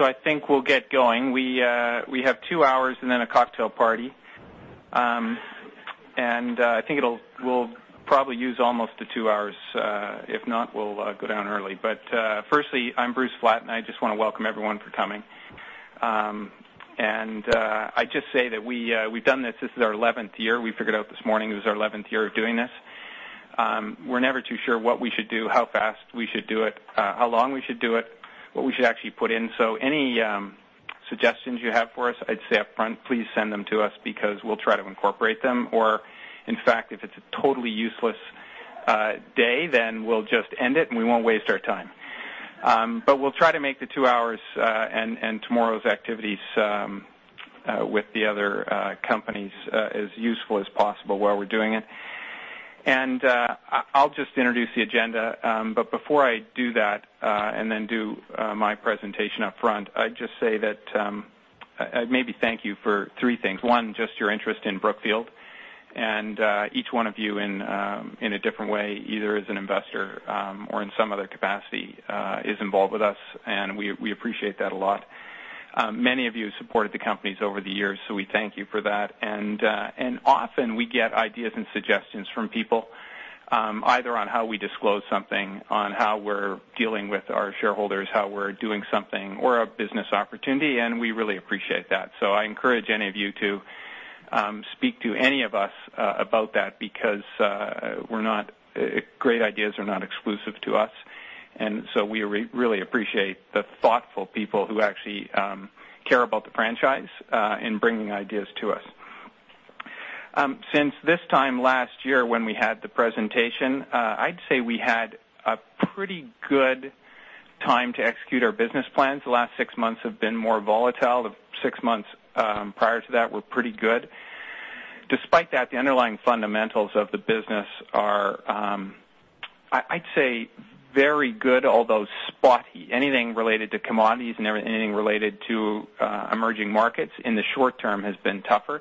I think we'll get going. We have 2 hours and then a cocktail party. I think we'll probably use almost the 2 hours. If not, we'll go down early. Firstly, I'm Bruce Flatt, and I just want to welcome everyone for coming. I'd just say that we've done this. This is our 11th year. We figured out this morning this is our 11th year of doing this. We're never too sure what we should do, how fast we should do it, how long we should do it, what we should actually put in. Any suggestions you have for us, I'd say up front, please send them to us because we'll try to incorporate them. In fact, if it's a totally useless day, we'll just end it and we won't waste our time. We'll try to make the 2 hours, and tomorrow's activities with the other companies, as useful as possible while we're doing it. I'll just introduce the agenda. Before I do that, and then do my presentation up front, I'd just say that maybe thank you for 3 things. One, just your interest in Brookfield. Each one of you in a different way, either as an investor or in some other capacity, is involved with us, and we appreciate that a lot. Many of you supported the companies over the years, so we thank you for that. Often we get ideas and suggestions from people, either on how we disclose something, on how we're dealing with our shareholders, how we're doing something, or a business opportunity, and we really appreciate that. I encourage any of you to speak to any of us about that because great ideas are not exclusive to us. We really appreciate the thoughtful people who actually care about the franchise in bringing ideas to us. Since this time last year when we had the presentation, I'd say we had a pretty good time to execute our business plans. The last 6 months have been more volatile. The 6 months prior to that were pretty good. Despite that, the underlying fundamentals of the business are, I'd say, very good, although spotty. Anything related to commodities and anything related to emerging markets in the short term has been tougher.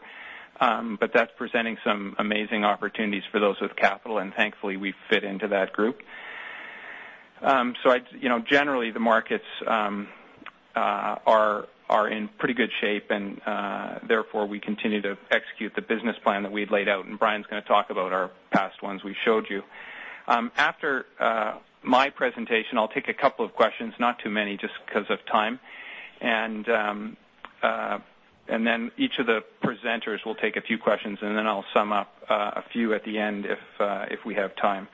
That's presenting some amazing opportunities for those with capital, and thankfully, we fit into that group. Generally, the markets are in pretty good shape, and therefore we continue to execute the business plan that we'd laid out, and Brian's going to talk about our past ones we showed you. After my presentation, I'll take a couple of questions, not too many, just because of time. Each of the presenters will take a few questions, and then I'll sum up a few at the end if we have time.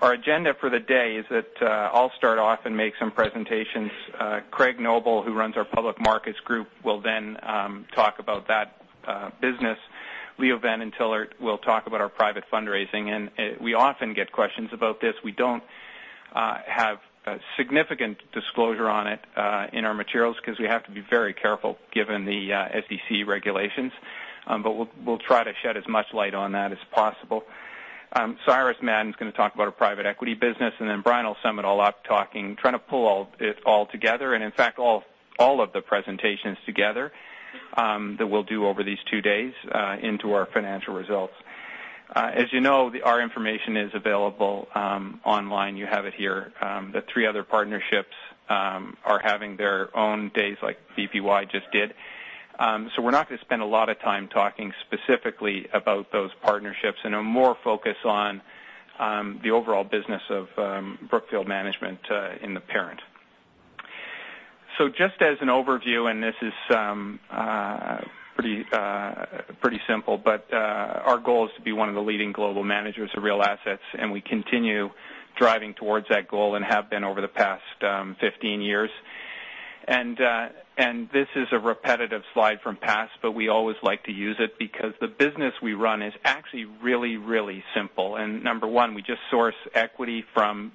Our agenda for the day is that I'll start off and make some presentations. Craig Noble, who runs our public markets group, will then talk about that business. Leo van den Thillart will talk about our private fundraising. We often get questions about this. We don't have significant disclosure on it in our materials because we have to be very careful given the SEC regulations. We'll try to shed as much light on that as possible. Cyrus Madon is going to talk about our private equity business, then Brian will sum it all up, trying to pull it all together. In fact, all of the presentations together that we'll do over these two days into our financial results. As you know, our information is available online. You have it here. The three other partnerships are having their own days like BPY just did. We're not going to spend a lot of time talking specifically about those partnerships. I'm more focused on the overall business of Brookfield management in the parent. Just as an overview, this is pretty simple, our goal is to be one of the leading global managers of real assets, and we continue driving towards that goal and have been over the past 15 years. This is a repetitive slide from past, we always like to use it because the business we run is actually really, really simple. Number 1, we just source equity from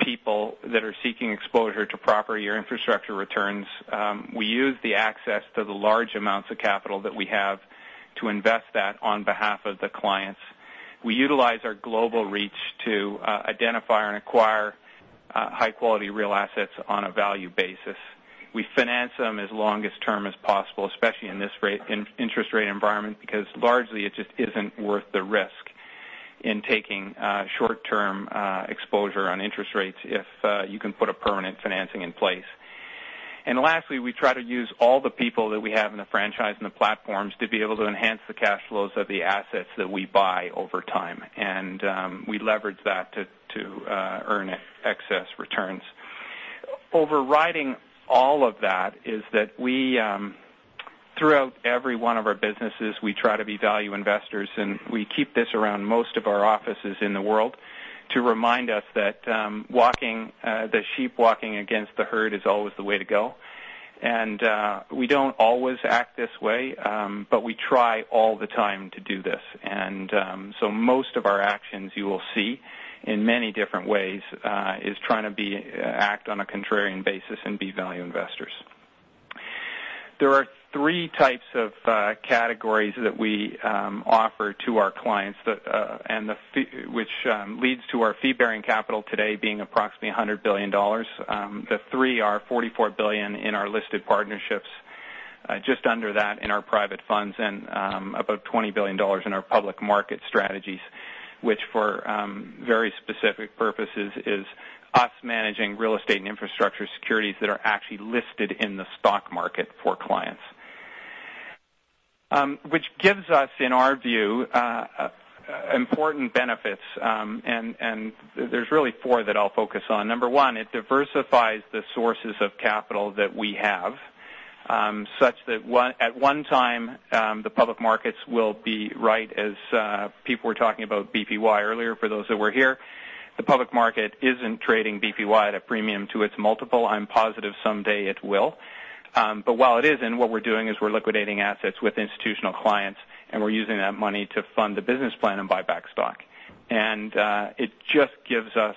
people that are seeking exposure to property or infrastructure returns. We use the access to the large amounts of capital that we have to invest that on behalf of the clients. We utilize our global reach to identify and acquire high-quality real assets on a value basis. We finance them as longest term as possible, especially in this interest rate environment, because largely it just isn't worth the risk in taking short-term exposure on interest rates if you can put a permanent financing in place. Lastly, we try to use all the people that we have in the franchise and the platforms to be able to enhance the cash flows of the assets that we buy over time. We leverage that to earn excess returns. Overriding all of that is that we, throughout every one of our businesses, we try to be value investors, we keep this around most of our offices in the world to remind us that the sheep walking against the herd is always the way to go. We don't always act this way, but we try all the time to do this. Most of our actions you will see in many different ways is trying to act on a contrarian basis and be value investors. There are 3 types of categories that we offer to our clients, which leads to our fee-bearing capital today being approximately $100 billion. The three are $44 billion in our listed partnerships. Just under that in our private funds about $20 billion in our public market strategies, which for very specific purposes is us managing real estate and infrastructure securities that are actually listed in the stock market for clients. Which gives us, in our view, important benefits, there's really four that I'll focus on. Number 1, it diversifies the sources of capital that we have, such that at one time the public markets will be right as people were talking about BPY earlier, for those that were here. The public market isn't trading BPY at a premium to its multiple. I'm positive someday it will. While it isn't, what we're doing is we're liquidating assets with institutional clients, we're using that money to fund the business plan and buy back stock. It just gives us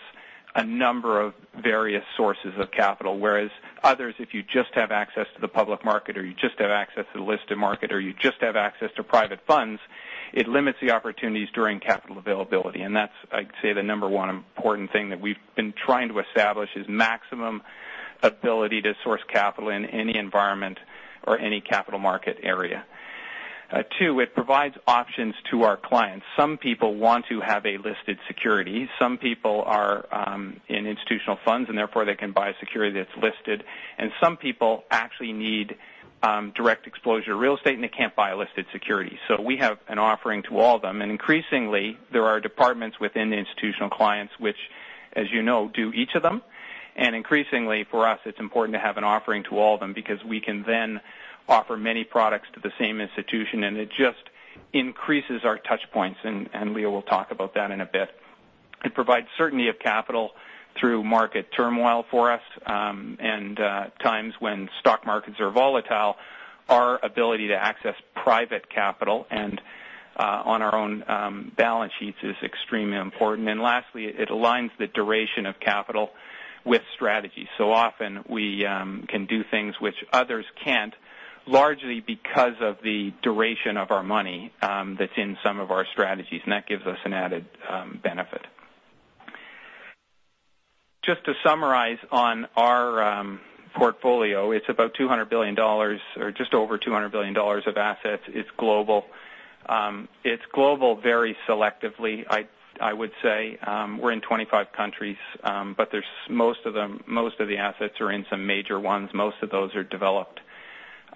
a number of various sources of capital, whereas others, if you just have access to the public market or you just have access to the listed market, or you just have access to private funds, it limits the opportunities during capital availability. That's, I'd say, the number one important thing that we've been trying to establish is maximum ability to source capital in any environment or any capital market area. Two, it provides options to our clients. Some people want to have a listed security. Some people are in institutional funds, and therefore they can buy a security that's listed. Some people actually need direct exposure to real estate, and they can't buy a listed security. We have an offering to all of them. Increasingly, there are departments within the institutional clients which, as you know, do each of them. Increasingly for us, it's important to have an offering to all of them because we can then offer many products to the same institution, and it just increases our touchpoints. Leo will talk about that in a bit. It provides certainty of capital through market turmoil for us. Times when stock markets are volatile, our ability to access private capital and on our own balance sheets is extremely important. Lastly, it aligns the duration of capital with strategy. Often we can do things which others can't, largely because of the duration of our money that's in some of our strategies. That gives us an added benefit. Just to summarize on our portfolio, it's about $200 billion or just over $200 billion of assets. It's global. It's global very selectively, I would say. We're in 25 countries. Most of the assets are in some major ones. Most of those are developed.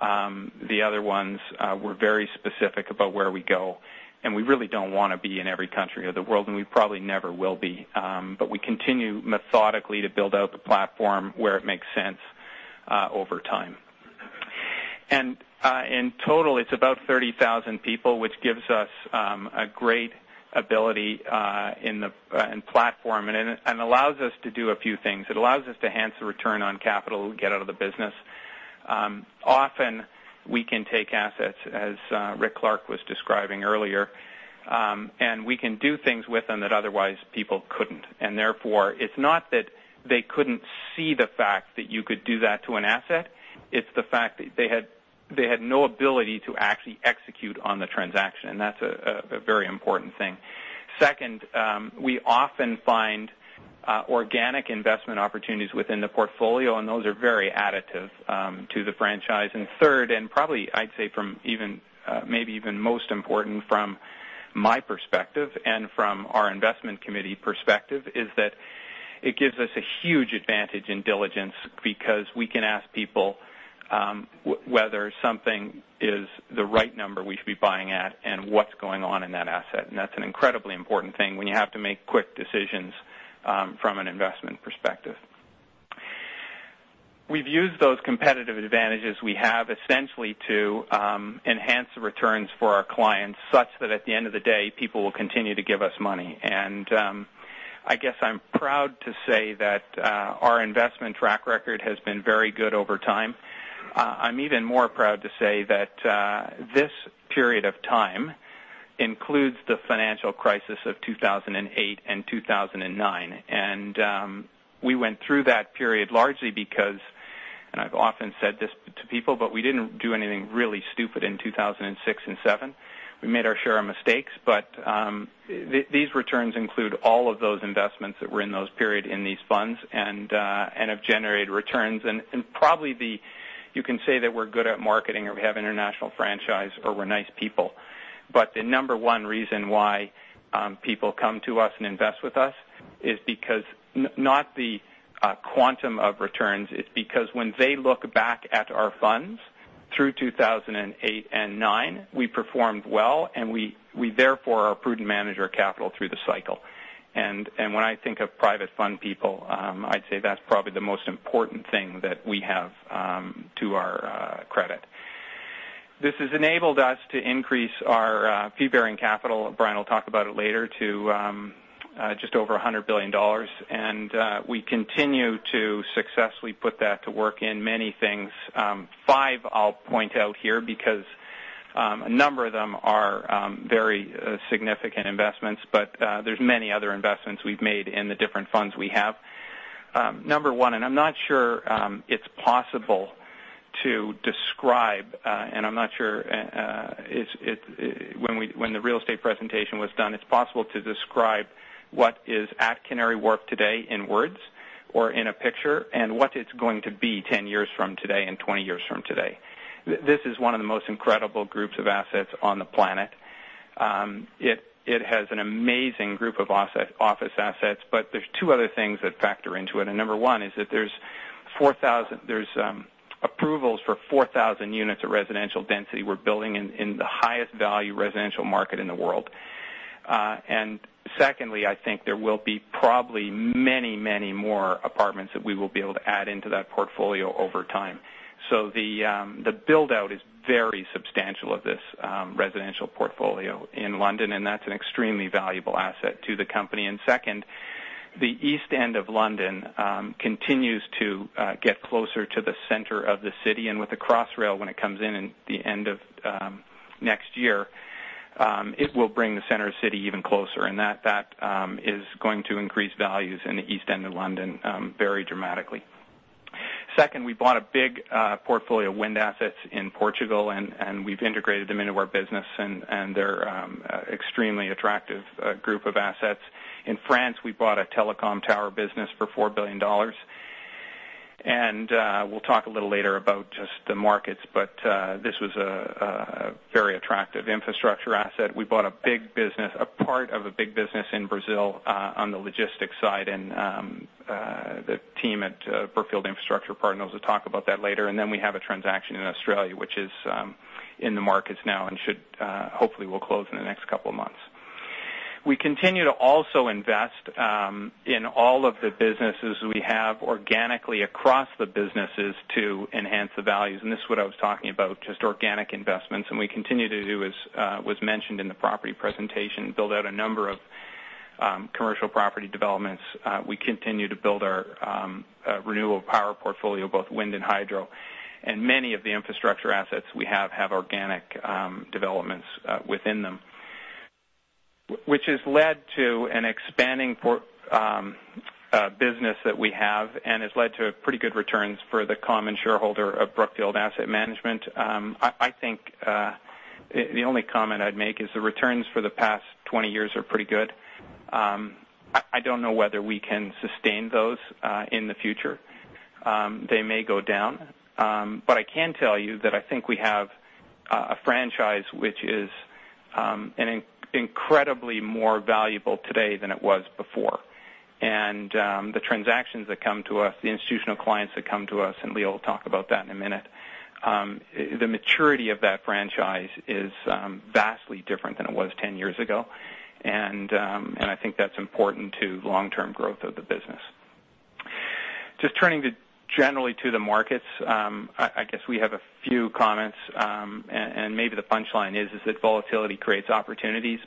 The other ones, we're very specific about where we go, and we really don't want to be in every country of the world, and we probably never will be. We continue methodically to build out the platform where it makes sense over time. In total, it's about 30,000 people, which gives us a great ability and platform and allows us to do a few things. It allows us to enhance the return on capital we get out of the business. Often we can take assets, as Ric Clark was describing earlier, we can do things with them that otherwise people couldn't. Therefore, it's not that they couldn't see the fact that you could do that to an asset. It's the fact that they had no ability to actually execute on the transaction. That's a very important thing. Second, we often find organic investment opportunities within the portfolio, those are very additive to the franchise. Third, and probably I'd say maybe even most important from my perspective and from our investment committee perspective, is that it gives us a huge advantage in diligence because we can ask people whether something is the right number we should be buying at and what's going on in that asset. That's an incredibly important thing when you have to make quick decisions from an investment perspective. We've used those competitive advantages we have essentially to enhance the returns for our clients, such that at the end of the day, people will continue to give us money. I guess I'm proud to say that our investment track record has been very good over time. I'm even more proud to say that this period of time includes the financial crisis of 2008 and 2009. We went through that period largely because, and I've often said this to people, but we didn't do anything really stupid in 2006 and 2007. We made our share of mistakes, but these returns include all of those investments that were in those periods in these funds and have generated returns. Probably you can say that we're good at marketing or we have international franchise or we're nice people. The number one reason why people come to us and invest with us is because not the quantum of returns. It's because when they look back at our funds through 2008 and 2009, we performed well, and we therefore are a prudent manager of capital through the cycle. When I think of private fund people, I'd say that's probably the most important thing that we have to our credit. This has enabled us to increase our fee-bearing capital, Brian will talk about it later, to just over $100 billion. We continue to successfully put that to work in many things. Five, I'll point out here because a number of them are very significant investments, but there's many other investments we've made in the different funds we have. Number one, I'm not sure it's possible to describe, I'm not sure when the real estate presentation was done, it's possible to describe what is at Canary Wharf today in words. Or in a picture, what it's going to be 10 years from today and 20 years from today. This is one of the most incredible groups of assets on the planet. It has an amazing group of office assets. There's two other things that factor into it. Number one is that there's approvals for 4,000 units of residential density we're building in the highest value residential market in the world. Secondly, I think there will be probably many more apartments that we will be able to add into that portfolio over time. The build-out is very substantial of this residential portfolio in London, and that's an extremely valuable asset to the company. Second, the East End of London continues to get closer to the center of the city. With the Crossrail, when it comes in at the end of next year, it will bring the center of the city even closer. That is going to increase values in the East End of London very dramatically. Second, we bought a big portfolio of wind assets in Portugal, and we've integrated them into our business, and they're extremely attractive group of assets. In France, we bought a telecom tower business for $4 billion. We'll talk a little later about just the markets, but this was a very attractive infrastructure asset. We bought a part of a big business in Brazil on the logistics side. The team at Brookfield Infrastructure Partners will talk about that later. We have a transaction in Australia, which is in the markets now and should hopefully will close in the next couple of months. We continue to also invest in all of the businesses we have organically across the businesses to enhance the values. This is what I was talking about, just organic investments. We continue to do as was mentioned in the property presentation, build out a number of commercial property developments. We continue to build our renewable power portfolio, both wind and hydro. Many of the infrastructure assets we have organic developments within them. Which has led to an expanding business that we have and has led to pretty good returns for the common shareholder of Brookfield Asset Management. I think the only comment I'd make is the returns for the past 20 years are pretty good. I don't know whether we can sustain those in the future. They may go down. I can tell you that I think we have a franchise which is incredibly more valuable today than it was before. The transactions that come to us, the institutional clients that come to us, and Leo will talk about that in a minute. The maturity of that franchise is vastly different than it was 10 years ago. I think that's important to long-term growth of the business. Just turning generally to the markets. I guess we have a few comments. Maybe the punchline is that volatility creates opportunities.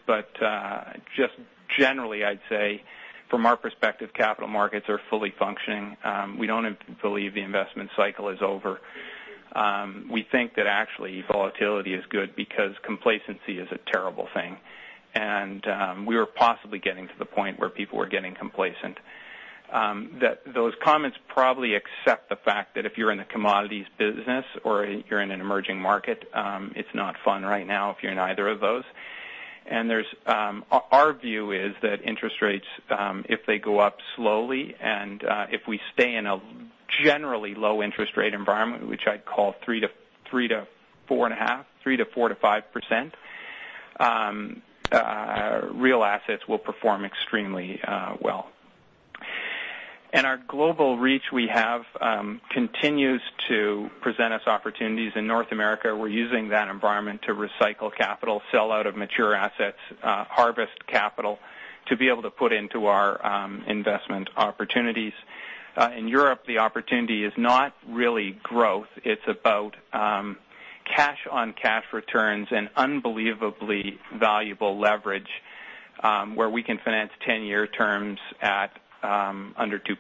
Just generally, I'd say from our perspective, capital markets are fully functioning. We don't believe the investment cycle is over. We think that actually volatility is good because complacency is a terrible thing. We were possibly getting to the point where people were getting complacent. Those comments probably accept the fact that if you're in a commodities business or you're in an emerging market, it's not fun right now if you're in either of those. Our view is that interest rates, if they go up slowly, and if we stay in a generally low interest rate environment, which I'd call 3% to 4.5%, 3% to 4% to 5%, real assets will perform extremely well. Our global reach we have continues to present us opportunities. In North America, we're using that environment to recycle capital, sell out of mature assets, harvest capital to be able to put into our investment opportunities. In Europe, the opportunity is not really growth. It's about cash on cash returns and unbelievably valuable leverage, where we can finance 10-year terms at under 2%.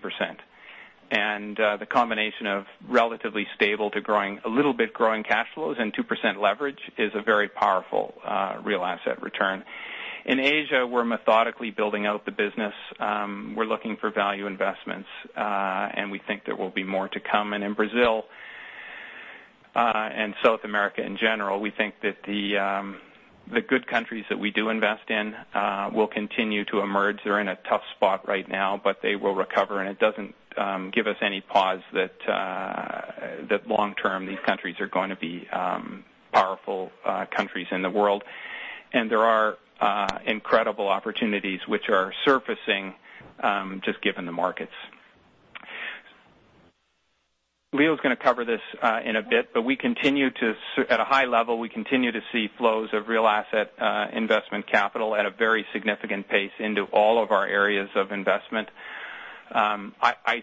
The combination of relatively stable to a little bit growing cash flows and 2% leverage is a very powerful real asset return. In Asia, we're methodically building out the business. We're looking for value investments. We think there will be more to come. In Brazil, and South America in general, we think that the good countries that we do invest in will continue to emerge. They're in a tough spot right now, but they will recover, and it doesn't give us any pause that long term, these countries are going to be powerful countries in the world. There are incredible opportunities which are surfacing, just given the markets. Leo's going to cover this in a bit, but at a high level, we continue to see flows of real asset investment capital at a very significant pace into all of our areas of investment. I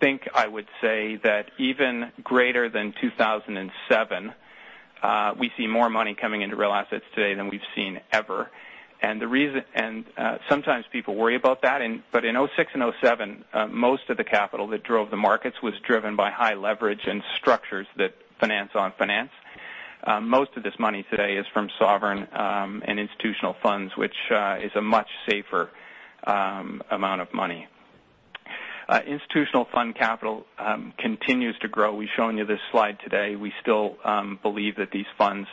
think I would say that even greater than 2007, we see more money coming into real assets today than we've seen ever. Sometimes people worry about that, but in 2006 and 2007, most of the capital that drove the markets was driven by high leverage and structures that finance on finance. Most of this money today is from sovereign and institutional funds, which is a much safer amount of money. Institutional fund capital continues to grow. We've shown you this slide today. We still believe that these funds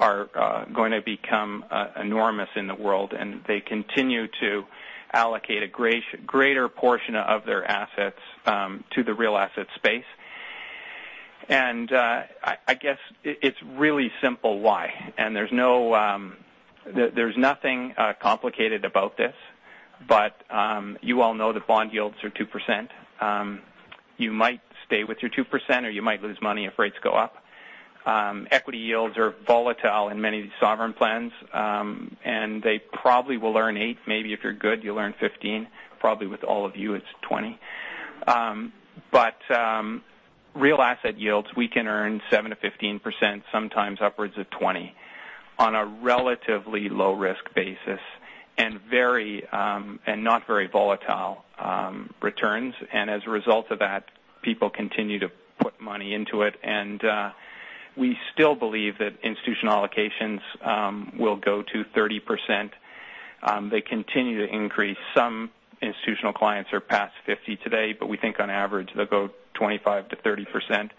are going to become enormous in the world, and they continue to allocate a greater portion of their assets to the real asset space. I guess it's really simple why, and there's nothing complicated about this, but you all know that bond yields are 2%. You might stay with your 2%, or you might lose money if rates go up. Equity yields are volatile in many sovereign plans, and they probably will earn 8%. Maybe if you're good, you'll earn 15%. Probably with all of you, it's 20%. But real asset yields, we can earn 7%-15%, sometimes upwards of 20%, on a relatively low-risk basis, and not very volatile returns. As a result of that, people continue to put money into it. We still believe that institutional allocations will go to 30%. They continue to increase. Some institutional clients are past 50% today, but we think on average, they'll go 25%-30%.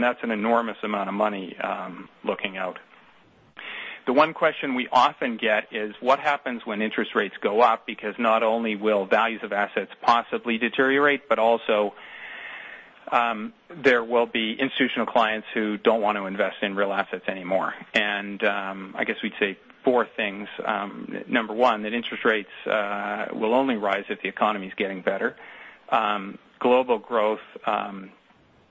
That's an enormous amount of money looking out. The one question we often get is what happens when interest rates go up, because not only will values of assets possibly deteriorate, but also there will be institutional clients who don't want to invest in real assets anymore. I guess we'd say four things. Number 1, that interest rates will only rise if the economy's getting better. Global growth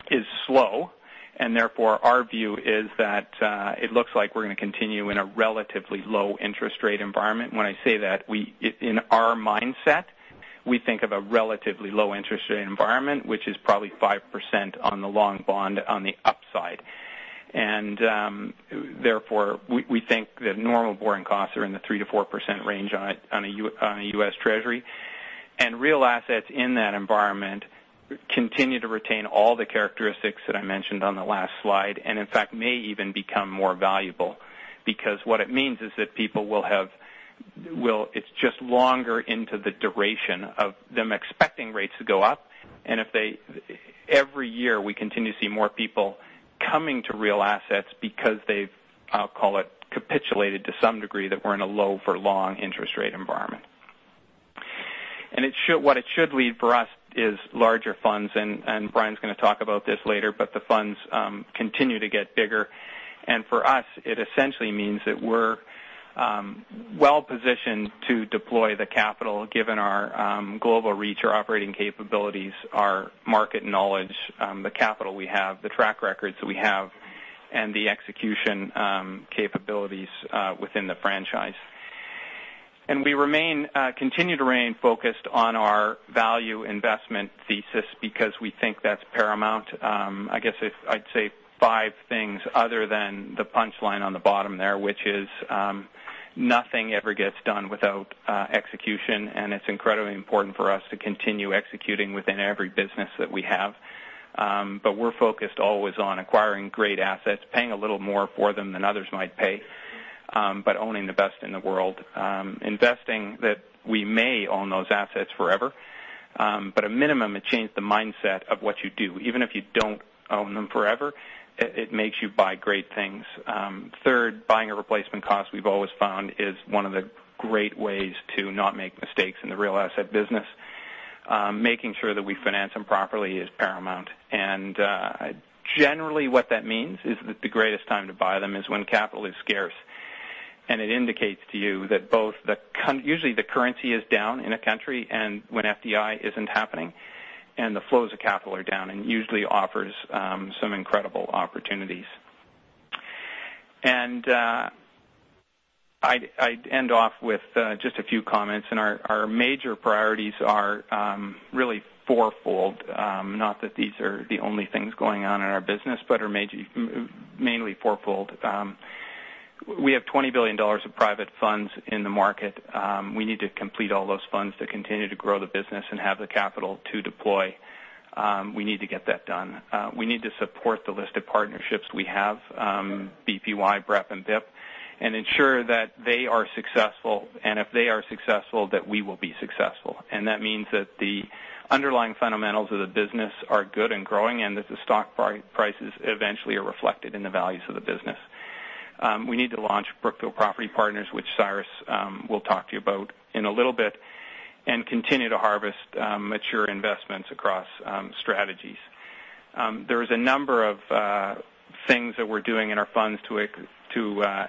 is slow, therefore, our view is that it looks like we're going to continue in a relatively low interest rate environment. When I say that, in our mindset, we think of a relatively low interest rate environment, which is probably 5% on the long bond on the upside. Therefore, we think that normal borrowing costs are in the 3%-4% range on a U.S. Treasury. Real assets in that environment continue to retain all the characteristics that I mentioned on the last slide, and in fact, may even become more valuable because what it means is that it's just longer into the duration of them expecting rates to go up. Every year, we continue to see more people coming to real assets because they've, I'll call it, capitulated to some degree that we're in a low for long interest rate environment. What it should leave for us is larger funds, Brian's going to talk about this later, but the funds continue to get bigger. For us, it essentially means that we're well-positioned to deploy the capital, given our global reach, our operating capabilities, our market knowledge, the capital we have, the track records that we have, and the execution capabilities within the franchise. We continue to remain focused on our value investment thesis because we think that's paramount. I guess I'd say five things other than the punchline on the bottom there, which is nothing ever gets done without execution, and it's incredibly important for us to continue executing within every business that we have. We're focused always on acquiring great assets, paying a little more for them than others might pay but owning the best in the world. Investing that we may own those assets forever. At minimum, it changed the mindset of what you do. Even if you don't own them forever, it makes you buy great things. Third, buying a replacement cost we've always found is one of the great ways to not make mistakes in the real asset business. Making sure that we finance them properly is paramount. Generally, what that means is that the greatest time to buy them is when capital is scarce. It indicates to you that usually the currency is down in a country, and when FDI isn't happening, and the flows of capital are down and usually offers some incredible opportunities. I'd end off with just a few comments, Our major priorities are really fourfold. Not that these are the only things going on in our business, but are mainly fourfold. We have $20 billion of private funds in the market. We need to complete all those funds to continue to grow the business and have the capital to deploy. We need to get that done. We need to support the list of partnerships we have, BPY, BREP, and BIP, and ensure that they are successful, and if they are successful, that we will be successful. That means that the underlying fundamentals of the business are good and growing, and that the stock prices eventually are reflected in the values of the business. We need to launch Brookfield Property Partners, which Cyrus will talk to you about in a little bit, and continue to harvest mature investments across strategies. There is a number of things that we're doing in our funds to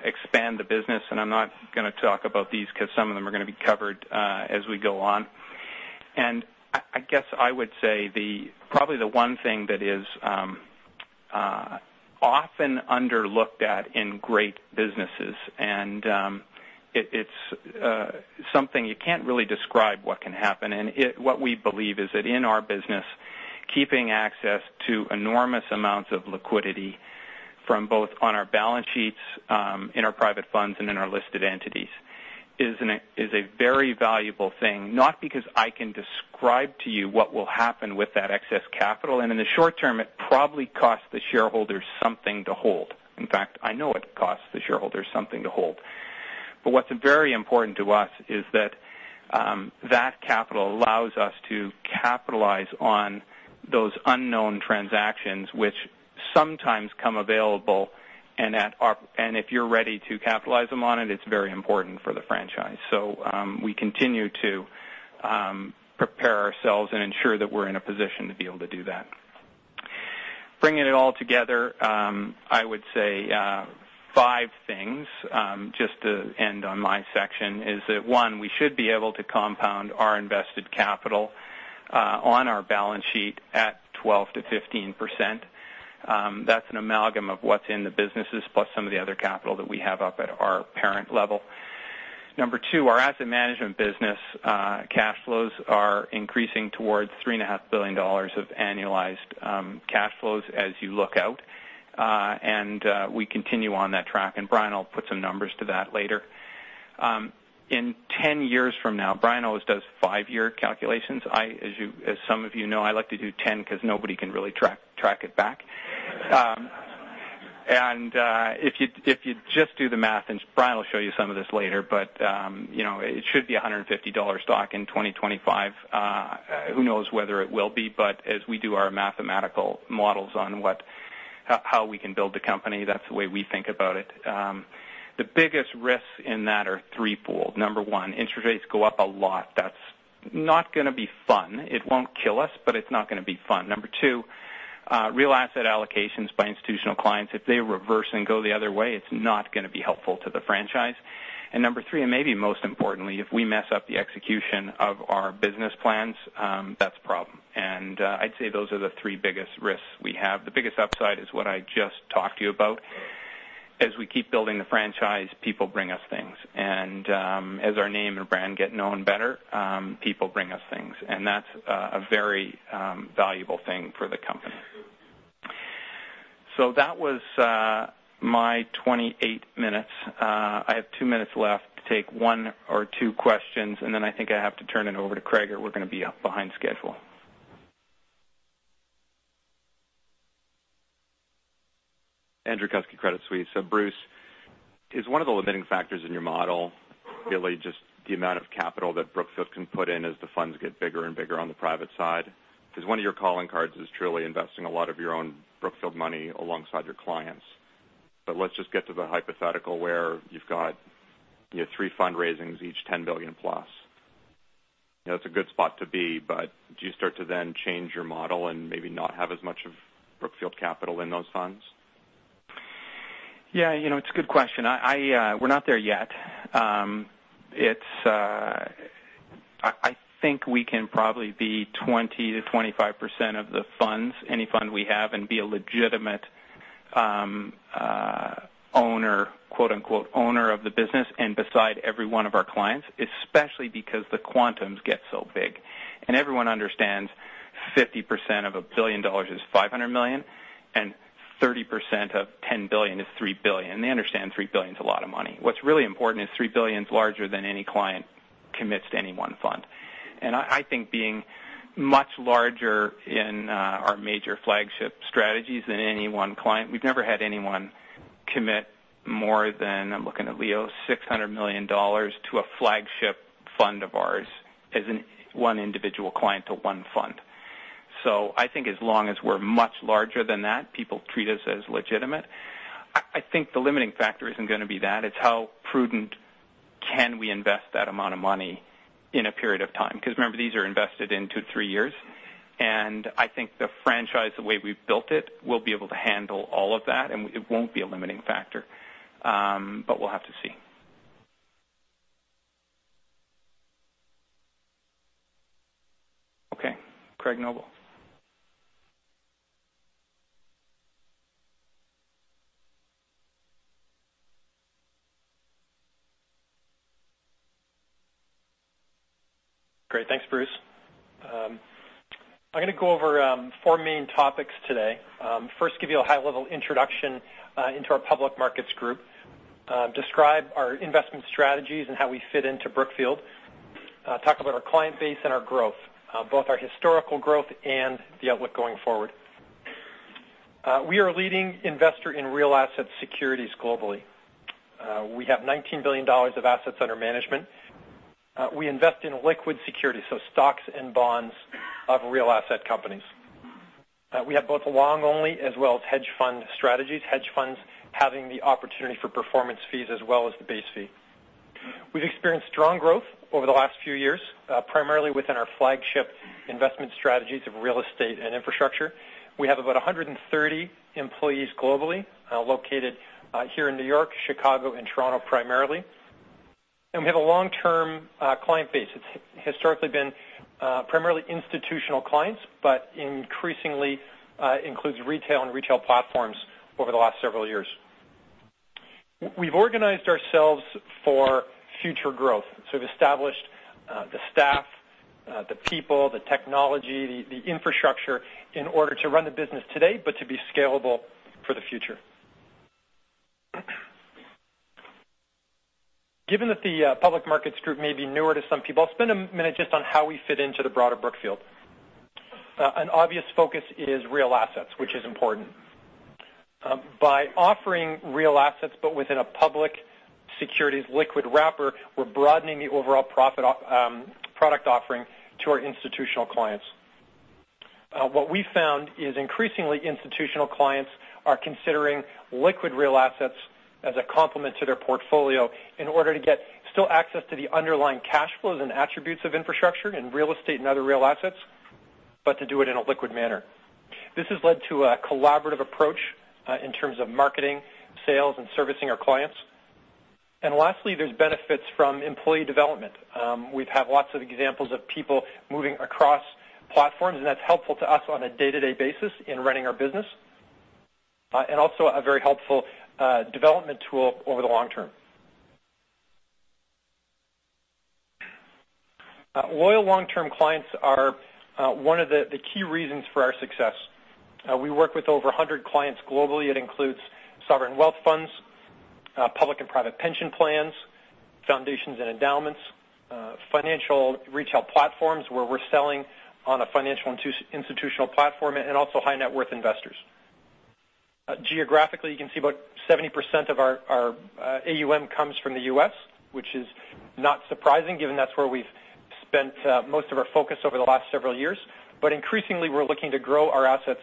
expand the business, I'm not going to talk about these because some of them are going to be covered as we go on. I guess I would say probably the one thing that is often underlooked at in great businesses, and it's something you can't really describe what can happen. What we believe is that in our business, keeping access to enormous amounts of liquidity from both on our balance sheets, in our private funds, and in our listed entities is a very valuable thing. Not because I can describe to you what will happen with that excess capital. In the short term, it probably costs the shareholders something to hold. In fact, I know it costs the shareholders something to hold. What's very important to us is that capital allows us to capitalize on those unknown transactions which sometimes come available, and if you're ready to capitalize them on it's very important for the franchise. We continue to prepare ourselves and ensure that we're in a position to be able to do that. Bringing it all together, I would say five things, just to end on my section is that, one, we should be able to compound our invested capital on our balance sheet at 12%-15%. That's an amalgam of what's in the businesses plus some of the other capital that we have up at our parent level. Number 2, our asset management business cash flows are increasing towards $3.5 billion of annualized cash flows as you look out. We continue on that track, and Brian will put some numbers to that later. In 10 years from now, Brian always does five-year calculations. As some of you know, I like to do 10 because nobody can really track it back. If you just do the math, and Brian will show you some of this later, but it should be $150 stock in 2025. Who knows whether it will be, but as we do our mathematical models on how we can build the company, that's the way we think about it. The biggest risks in that are three-fold. Number 1, interest rates go up a lot. That's not going to be fun. It won't kill us, but it's not going to be fun. Number 2, real asset allocations by institutional clients. If they reverse and go the other way, it's not going to be helpful to the franchise. Number 3, and maybe most importantly, if we mess up the execution of our business plans, that's a problem. I'd say those are the three biggest risks we have. The biggest upside is what I just talked to you about. As we keep building the franchise, people bring us things. As our name and brand get known better, people bring us things. That's a very valuable thing for the company. That was my 28 minutes. I have two minutes left to take one or two questions, and then I think I have to turn it over to Craig or we're going to be behind schedule. Andrew Kuske, Credit Suisse. Bruce, is one of the limiting factors in your model really just the amount of capital that Brookfield can put in as the funds get bigger and bigger on the private side? Because one of your calling cards is truly investing a lot of your own Brookfield money alongside your clients. Let's just get to the hypothetical where you've got three fundraisings, each $10 billion plus. That's a good spot to be, but do you start to then change your model and maybe not have as much of Brookfield capital in those funds? Yeah, it's a good question. We're not there yet. I think we can probably be 20%-25% of the funds, any fund we have, and be a legitimate "owner" of the business and beside every one of our clients, especially because the quantums get so big. Everyone understands 50% of $1 billion is $500 million, and 30% of $10 billion is $3 billion. They understand $3 billion is a lot of money. What's really important is $3 billion is larger than any client commits to any one fund. I think being much larger in our major flagship strategies than any one client. We've never had anyone commit more than, I'm looking at Leo, $600 million to a flagship fund of ours as one individual client to one fund. I think as long as we're much larger than that, people treat us as legitimate. I think the limiting factor isn't going to be that. It's how prudent can we invest that amount of money in a period of time. Because remember, these are invested in two, three years. I think the franchise, the way we've built it, will be able to handle all of that, and it won't be a limiting factor. We'll have to see. Okay. Craig Noble. Great. Thanks, Bruce. I'm going to go over four main topics today. First, give you a high-level introduction into our Public Markets Group, describe our investment strategies and how we fit into Brookfield, talk about our client base and our growth, both our historical growth and the outlook going forward. We are a leading investor in real asset securities globally. We have $19 billion of assets under management. We invest in liquid securities, so stocks and bonds of real asset companies. We have both long only as well as hedge fund strategies. Hedge funds having the opportunity for performance fees as well as the base fee. We've experienced strong growth over the last few years, primarily within our flagship investment strategies of real estate and infrastructure. We have about 130 employees globally, located here in New York, Chicago, and Toronto primarily. We have a long-term client base. It's historically been primarily institutional clients, but increasingly includes retail and retail platforms over the last several years. We've organized ourselves for future growth. We've established the staff, the people, the technology, the infrastructure in order to run the business today, but to be scalable for the future. Given that the Public Markets Group may be newer to some people, I'll spend a minute just on how we fit into the broader Brookfield. An obvious focus is real assets, which is important. By offering real assets but within a public securities liquid wrapper, we're broadening the overall product offering to our institutional clients. What we found is increasingly institutional clients are considering liquid real assets as a complement to their portfolio in order to get still access to the underlying cash flows and attributes of infrastructure in real estate and other real assets, but to do it in a liquid manner. This has led to a collaborative approach in terms of marketing, sales, and servicing our clients. Lastly, there's benefits from employee development. We've had lots of examples of people moving across platforms, and that's helpful to us on a day-to-day basis in running our business, and also a very helpful development tool over the long term. Loyal long-term clients are one of the key reasons for our success. We work with over 100 clients globally. It includes sovereign wealth funds, public and private pension plans, foundations and endowments, financial retail platforms where we're selling on a financial institutional platform, and also high-net-worth investors. Geographically, you can see about 70% of our AUM comes from the U.S., which is not surprising given that's where we've spent most of our focus over the last several years. Increasingly, we're looking to grow our assets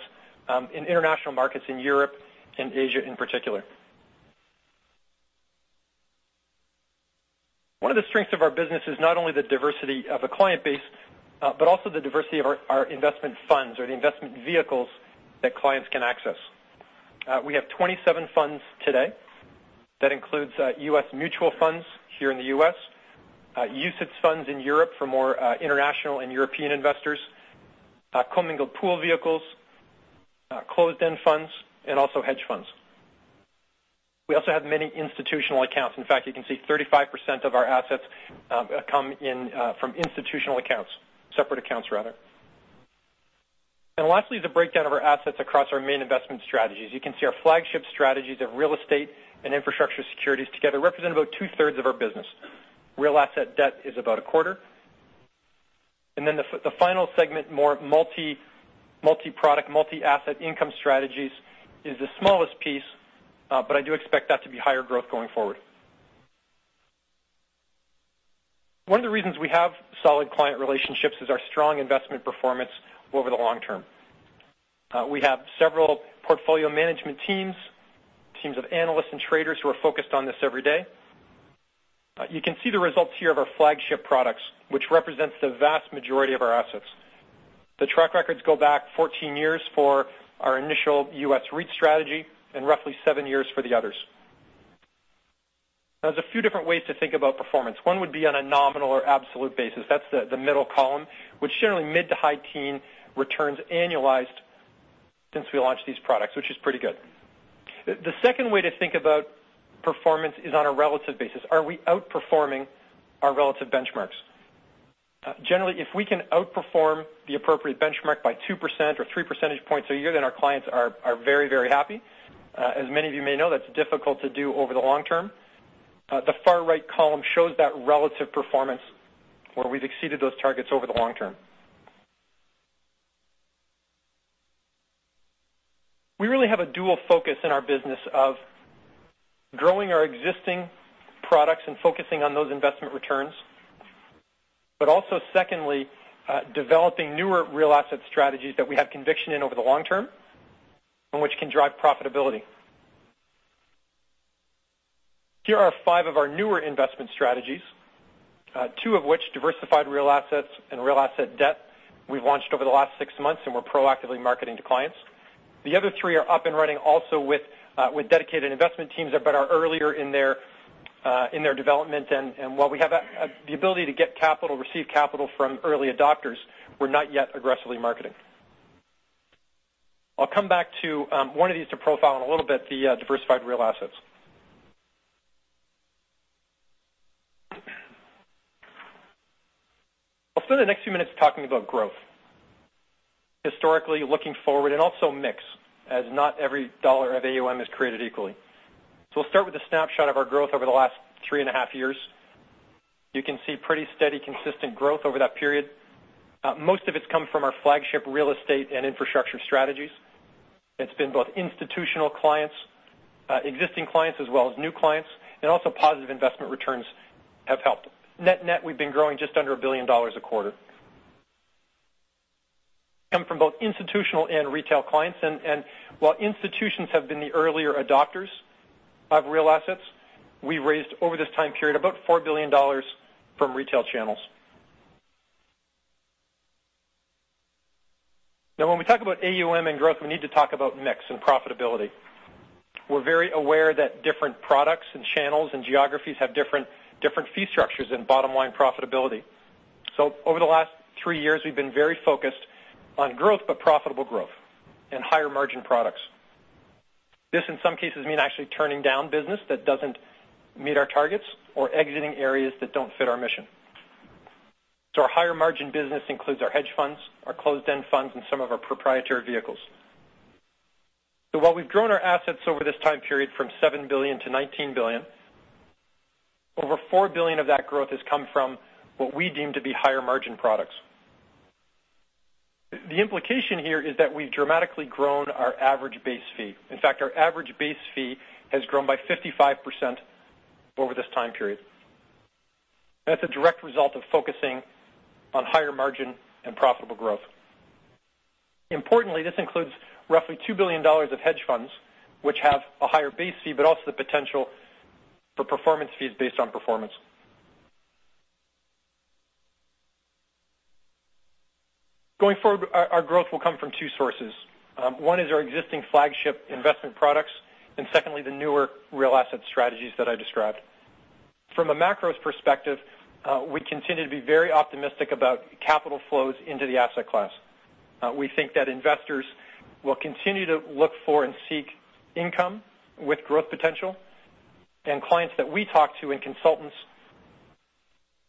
in international markets in Europe and Asia in particular. One of the strengths of our business is not only the diversity of a client base, but also the diversity of our investment funds or the investment vehicles that clients can access. We have 27 funds today. That includes U.S. mutual funds here in the U.S., UCITS funds in Europe for more international and European investors, commingled pool vehicles, closed-end funds, and also hedge funds. We also have many institutional accounts. In fact, you can see 35% of our assets come from institutional accounts, separate accounts rather. Lastly, the breakdown of our assets across our main investment strategies. You can see our flagship strategies of real estate and infrastructure securities together represent about two-thirds of our business. Real asset debt is about a quarter. The final segment, more multi-product, multi-asset income strategies is the smallest piece, but I do expect that to be higher growth going forward. One of the reasons we have solid client relationships is our strong investment performance over the long term. We have several portfolio management teams of analysts and traders who are focused on this every day. You can see the results here of our flagship products, which represents the vast majority of our assets. The track records go back 14 years for our initial U.S. REIT strategy and roughly seven years for the others. There's a few different ways to think about performance. One would be on a nominal or absolute basis. That's the middle column, which generally mid to high teen returns annualized since we launched these products, which is pretty good. The second way to think about performance is on a relative basis. Are we outperforming our relative benchmarks? Generally, if we can outperform the appropriate benchmark by 2% or three percentage points a year, then our clients are very, very happy. As many of you may know, that's difficult to do over the long term. The far right column shows that relative performance where we've exceeded those targets over the long term. We really have a dual focus in our business of growing our existing products and focusing on those investment returns, also secondly, developing newer real asset strategies that we have conviction in over the long term, and which can drive profitability. Here are 5 of our newer investment strategies, 2 of which diversified real assets and real asset debt we've launched over the last 6 months, and we're proactively marketing to clients. The other 3 are up and running also with dedicated investment teams but are earlier in their development, and while we have the ability to receive capital from early adopters, we're not yet aggressively marketing. I'll come back to 1 of these to profile in a little bit, the diversified real assets. I'll spend the next few minutes talking about growth. Historically, looking forward, and also mix, as not every $ of AUM is created equally. We'll start with a snapshot of our growth over the last 3 and a half years. You can see pretty steady, consistent growth over that period. Most of it's come from our flagship real estate and infrastructure strategies. It's been both institutional clients, existing clients, as well as new clients, and also positive investment returns have helped. Net, we've been growing just under $1 billion a quarter. Come from both institutional and retail clients, and while institutions have been the earlier adopters of real assets, we raised over this time period about $4 billion from retail channels. When we talk about AUM and growth, we need to talk about mix and profitability. We're very aware that different products and channels and geographies have different fee structures and bottom-line profitability. Over the last 3 years, we've been very focused on growth, but profitable growth and higher margin products. This, in some cases, mean actually turning down business that doesn't meet our targets or exiting areas that don't fit our mission. Our higher margin business includes our hedge funds, our closed-end funds, and some of our proprietary vehicles. While we've grown our assets over this time period from $7 billion-$19 billion, over $4 billion of that growth has come from what we deem to be higher margin products. The implication here is that we've dramatically grown our average base fee. In fact, our average base fee has grown by 55% over this time period. That's a direct result of focusing on higher margin and profitable growth. Importantly, this includes roughly $2 billion of hedge funds, which have a higher base fee, but also the potential for performance fees based on performance. Going forward, our growth will come from 2 sources. 1 is our existing flagship investment products, and secondly, the newer real asset strategies that I described. From a macros perspective, we continue to be very optimistic about capital flows into the asset class. We think that investors will continue to look for and seek income with growth potential, and clients that we talk to, and consultants,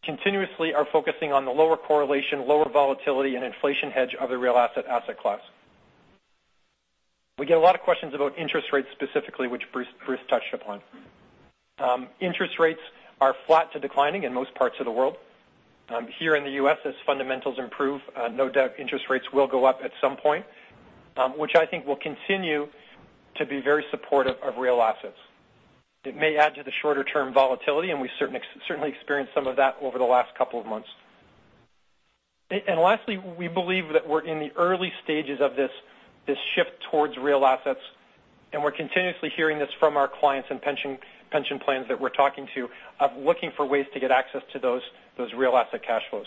continuously are focusing on the lower correlation, lower volatility, and inflation hedge of the real asset class. We get a lot of questions about interest rates specifically, which Bruce touched upon. Interest rates are flat to declining in most parts of the world. Here in the U.S., as fundamentals improve, no doubt interest rates will go up at some point, which I think will continue to be very supportive of real assets. It may add to the shorter term volatility, we've certainly experienced some of that over the last couple of months. Lastly, we believe that we're in the early stages of this shift towards real assets, we're continuously hearing this from our clients and pension plans that we're talking to, of looking for ways to get access to those real asset cash flows.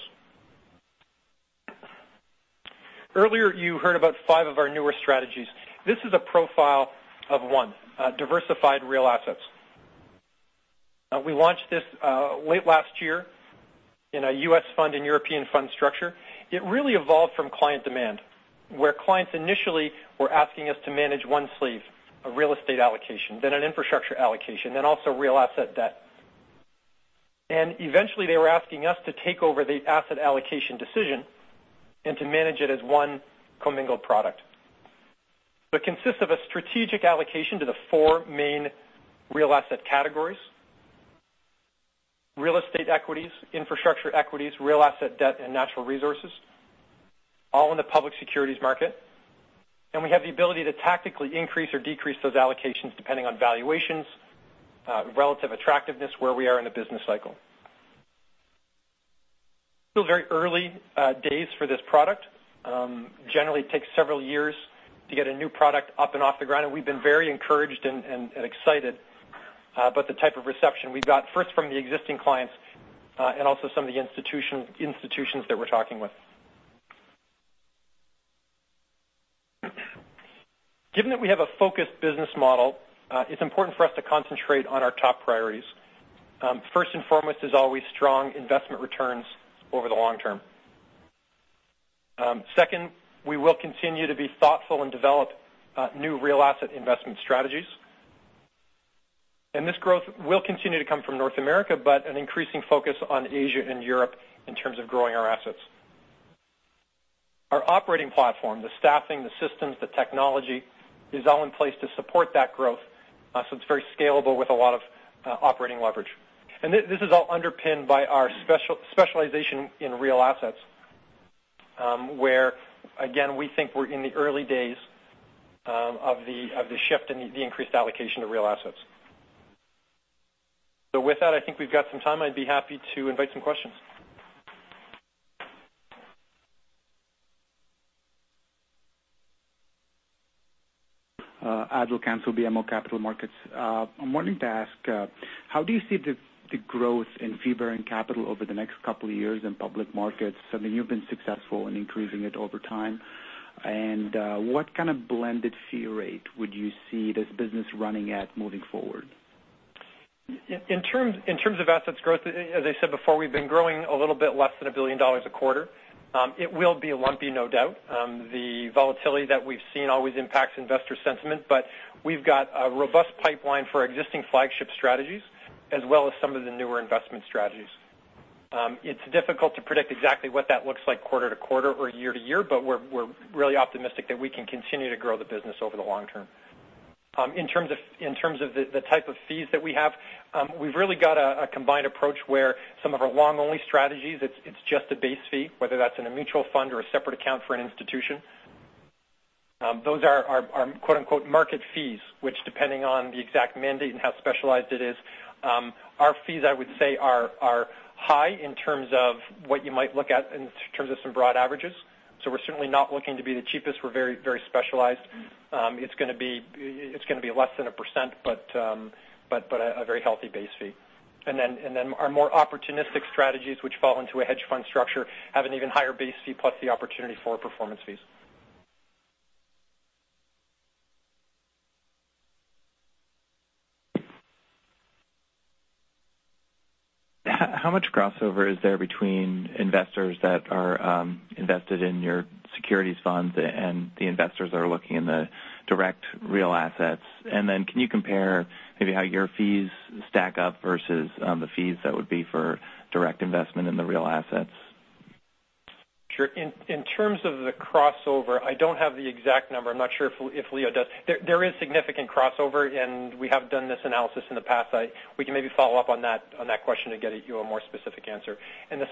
Earlier, you heard about five of our newer strategies. This is a profile of one, diversified real assets. We launched this late last year in a U.S. fund and European fund structure. It really evolved from client demand, where clients initially were asking us to manage one sleeve, a real estate allocation, then an infrastructure allocation, then also real asset debt. Eventually, they were asking us to take over the asset allocation decision and to manage it as one commingled product. It consists of a strategic allocation to the 4 main real asset categories: real estate equities, infrastructure equities, real asset debt, and natural resources, all in the public securities market. We have the ability to tactically increase or decrease those allocations depending on valuations, relative attractiveness, where we are in the business cycle. Still very early days for this product. Generally takes several years to get a new product up and off the ground, we've been very encouraged and excited about the type of reception we've got, first from the existing clients, and also some of the institutions that we're talking with. Given that we have a focused business model, it's important for us to concentrate on our top priorities. First and foremost is always strong investment returns over the long term. Second, we will continue to be thoughtful and develop new real asset investment strategies. This growth will continue to come from North America, but an increasing focus on Asia and Europe in terms of growing our assets. Our operating platform, the staffing, the systems, the technology, is all in place to support that growth. It's very scalable with a lot of operating leverage. This is all underpinned by our specialization in real assets, where, again, we think we're in the early days of the shift in the increased allocation of real assets. With that, I think we've got some time. I'd be happy to invite some questions. Adil Khan, BMO Capital Markets. I'm wanting to ask, how do you see the growth in fee-bearing capital over the next couple of years in public markets? I mean, you've been successful in increasing it over time. What kind of blended fee rate would you see this business running at moving forward? In terms of assets growth, as I said before, we've been growing a little bit less than $1 billion a quarter. It will be lumpy, no doubt. The volatility that we've seen always impacts investor sentiment, but we've got a robust pipeline for existing flagship strategies as well as some of the newer investment strategies. It's difficult to predict exactly what that looks like quarter to quarter or year to year, but we're really optimistic that we can continue to grow the business over the long term. In terms of the type of fees that we have, we've really got a combined approach where some of our long only strategies, it's just a base fee, whether that's in a mutual fund or a separate account for an institution. Those are our quote-unquote market fees, which depending on the exact mandate and how specialized it is, our fees, I would say, are high in terms of what you might look at in terms of some broad averages. We're certainly not looking to be the cheapest. We're very specialized. It's going to be less than 1%, but a very healthy base fee. Our more opportunistic strategies, which fall into a hedge fund structure, have an even higher base fee plus the opportunity for performance fees. How much crossover is there between investors that are invested in your securities funds and the investors that are looking in the direct real assets? Can you compare maybe how your fees stack up versus the fees that would be for direct investment in the real assets? Sure. In terms of the crossover, I don't have the exact number. I'm not sure if Leo does. There is significant crossover, and we have done this analysis in the past. We can maybe follow up on that question to get you a more specific answer. It's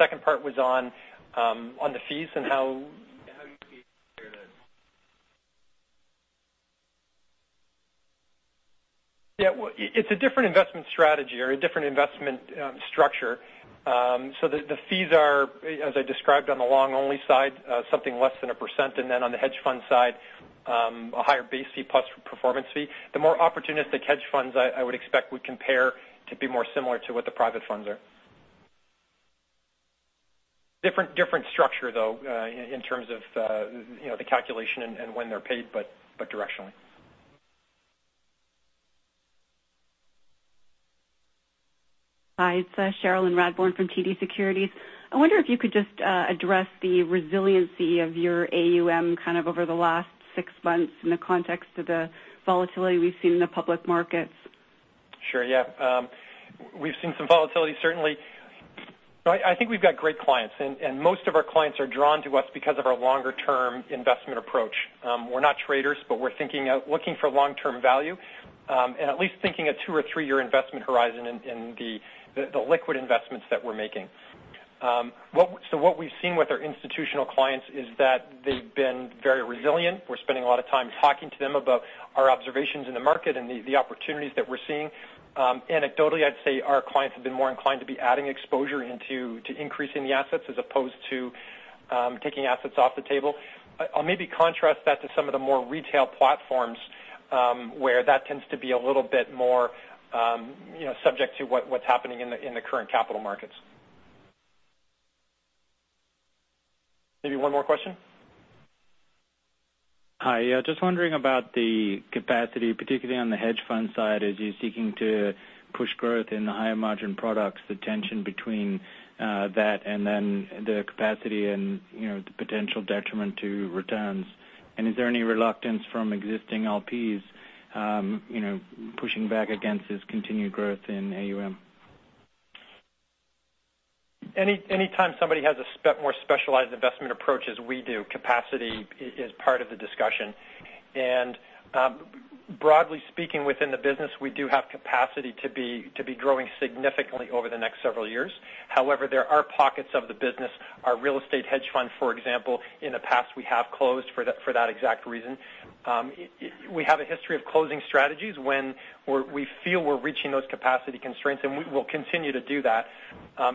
a different investment strategy or a different investment structure. The fees are, as I described on the long only side, something less than 1%, and then on the hedge fund side, a higher base fee plus performance fee. The more opportunistic hedge funds I would expect would compare to be more similar to what the private funds are. Different structure, though, in terms of the calculation and when they're paid, but directionally. Hi, it's Cherilyn Radbourne from TD Securities. I wonder if you could just address the resiliency of your AUM over the last 6 months in the context of the volatility we've seen in the public markets. Sure. We've seen some volatility, certainly. I think we've got great clients. Most of our clients are drawn to us because of our longer-term investment approach. We're not traders, but we're looking for long-term value, and at least thinking a 2 or 3-year investment horizon in the liquid investments that we're making. What we've seen with our institutional clients is that they've been very resilient. We're spending a lot of time talking to them about our observations in the market and the opportunities that we're seeing. Anecdotally, I'd say our clients have been more inclined to be adding exposure into increasing the assets as opposed to taking assets off the table. I'll maybe contrast that to some of the more retail platforms, where that tends to be a little bit more subject to what's happening in the current capital markets. Maybe 1 more question. Hi. Just wondering about the capacity, particularly on the hedge fund side, as you're seeking to push growth in the higher margin products, the tension between that and then the capacity and the potential detriment to returns. Is there any reluctance from existing LPs pushing back against this continued growth in AUM? Any time somebody has a more specialized investment approach as we do, capacity is part of the discussion. Broadly speaking, within the business, we do have capacity to be growing significantly over the next several years. However, there are pockets of the business. Our real estate hedge fund, for example, in the past, we have closed for that exact reason. We have a history of closing strategies when we feel we're reaching those capacity constraints, and we will continue to do that.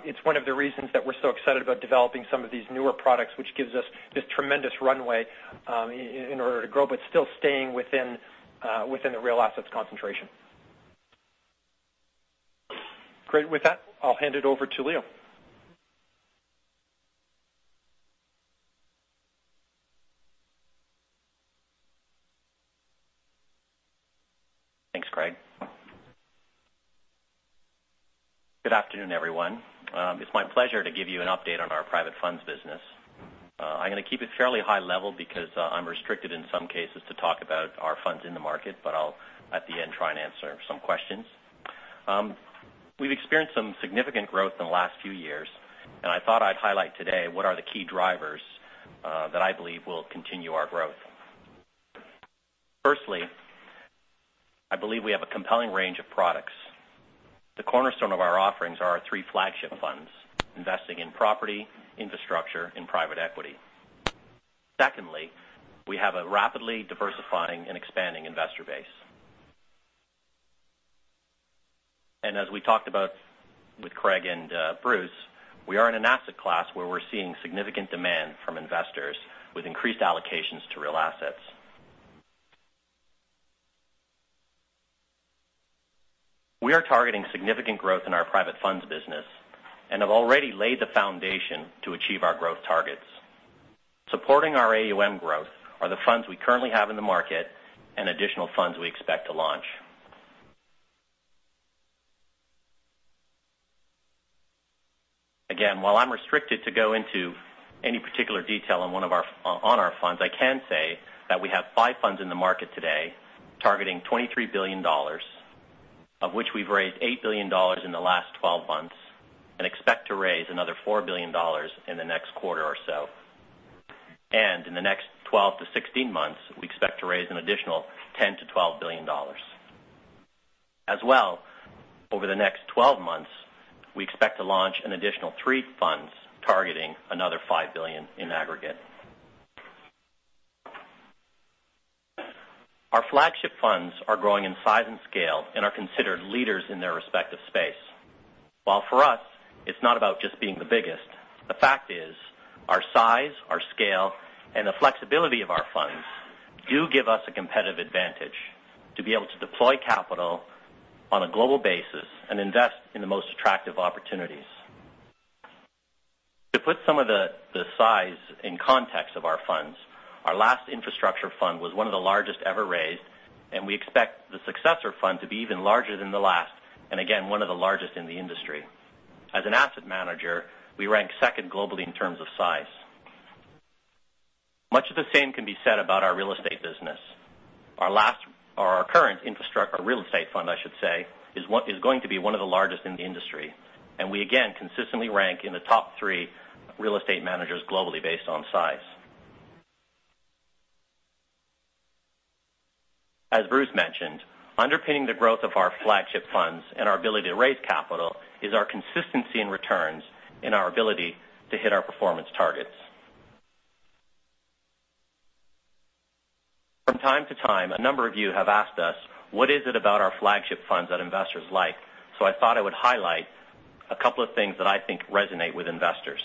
It's one of the reasons that we're so excited about developing some of these newer products, which gives us this tremendous runway in order to grow, but still staying within the real assets concentration. Great. With that, I'll hand it over to Leo. Thanks, Craig. Good afternoon, everyone. It's my pleasure to give you an update on our private funds business. I'm going to keep it fairly high level because I'm restricted in some cases to talk about our funds in the market, but I'll, at the end, try and answer some questions. We've experienced some significant growth in the last few years. I thought I'd highlight today what are the key drivers that I believe will continue our growth. Firstly, I believe we have a compelling range of products. The cornerstone of our offerings are our three flagship funds, investing in property, infrastructure, and private equity. Secondly, we have a rapidly diversifying and expanding investor base. As we talked about with Craig and Bruce, we are in an asset class where we're seeing significant demand from investors with increased allocations to real assets. We are targeting significant growth in our private funds business and have already laid the foundation to achieve our growth targets. Supporting our AUM growth are the funds we currently have in the market and additional funds we expect to launch. Again, while I'm restricted to go into any particular detail on our funds, I can say that we have five funds in the market today targeting $23 billion, of which we've raised $8 billion in the last 12 months and expect to raise another $4 billion in the next quarter or so. In the next 12 to 16 months, we expect to raise an additional $10 billion-$12 billion. As well, over the next 12 months, we expect to launch an additional three funds targeting another $5 billion in aggregate. Our flagship funds are growing in size and scale and are considered leaders in their respective space. While for us, it's not about just being the biggest, the fact is our size, our scale, and the flexibility of our funds do give us a competitive advantage to be able to deploy capital on a global basis and invest in the most attractive opportunities. To put some of the size in context of our funds, our last infrastructure fund was one of the largest ever raised. We expect the successor fund to be even larger than the last, and again, one of the largest in the industry. As an asset manager, we rank second globally in terms of size. Much of the same can be said about our real estate business. Our current infrastructure, our real estate fund, I should say, is going to be one of the largest in the industry. We again, consistently rank in the top three real estate managers globally based on size. As Bruce mentioned, underpinning the growth of our flagship funds and our ability to raise capital is our consistency in returns and our ability to hit our performance targets. From time to time, a number of you have asked us, what is it about our flagship funds that investors like? I thought I would highlight a couple of things that I think resonate with investors.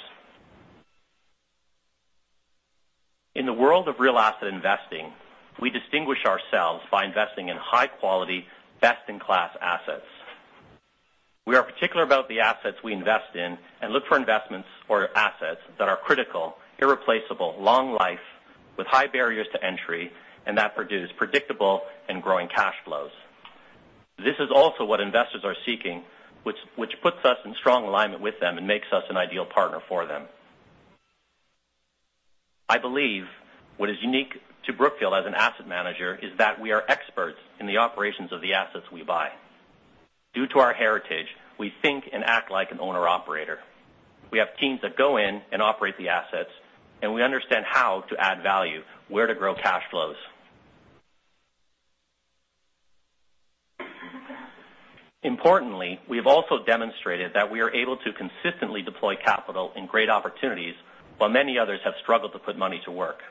In the world of real asset investing, we distinguish ourselves by investing in high quality, best-in-class assets. We are particular about the assets we invest in and look for investments or assets that are critical, irreplaceable, long-life, with high barriers to entry, and that produce predictable and growing cash flows. This is also what investors are seeking, which puts us in strong alignment with them and makes us an ideal partner for them. I believe what is unique to Brookfield as an asset manager is that we are experts in the operations of the assets we buy. Due to our heritage, we think and act like an owner-operator. We have teams that go in and operate the assets, and we understand how to add value, where to grow cash flows. Importantly, we've also demonstrated that we are able to consistently deploy capital in great opportunities while many others have struggled to put money to work.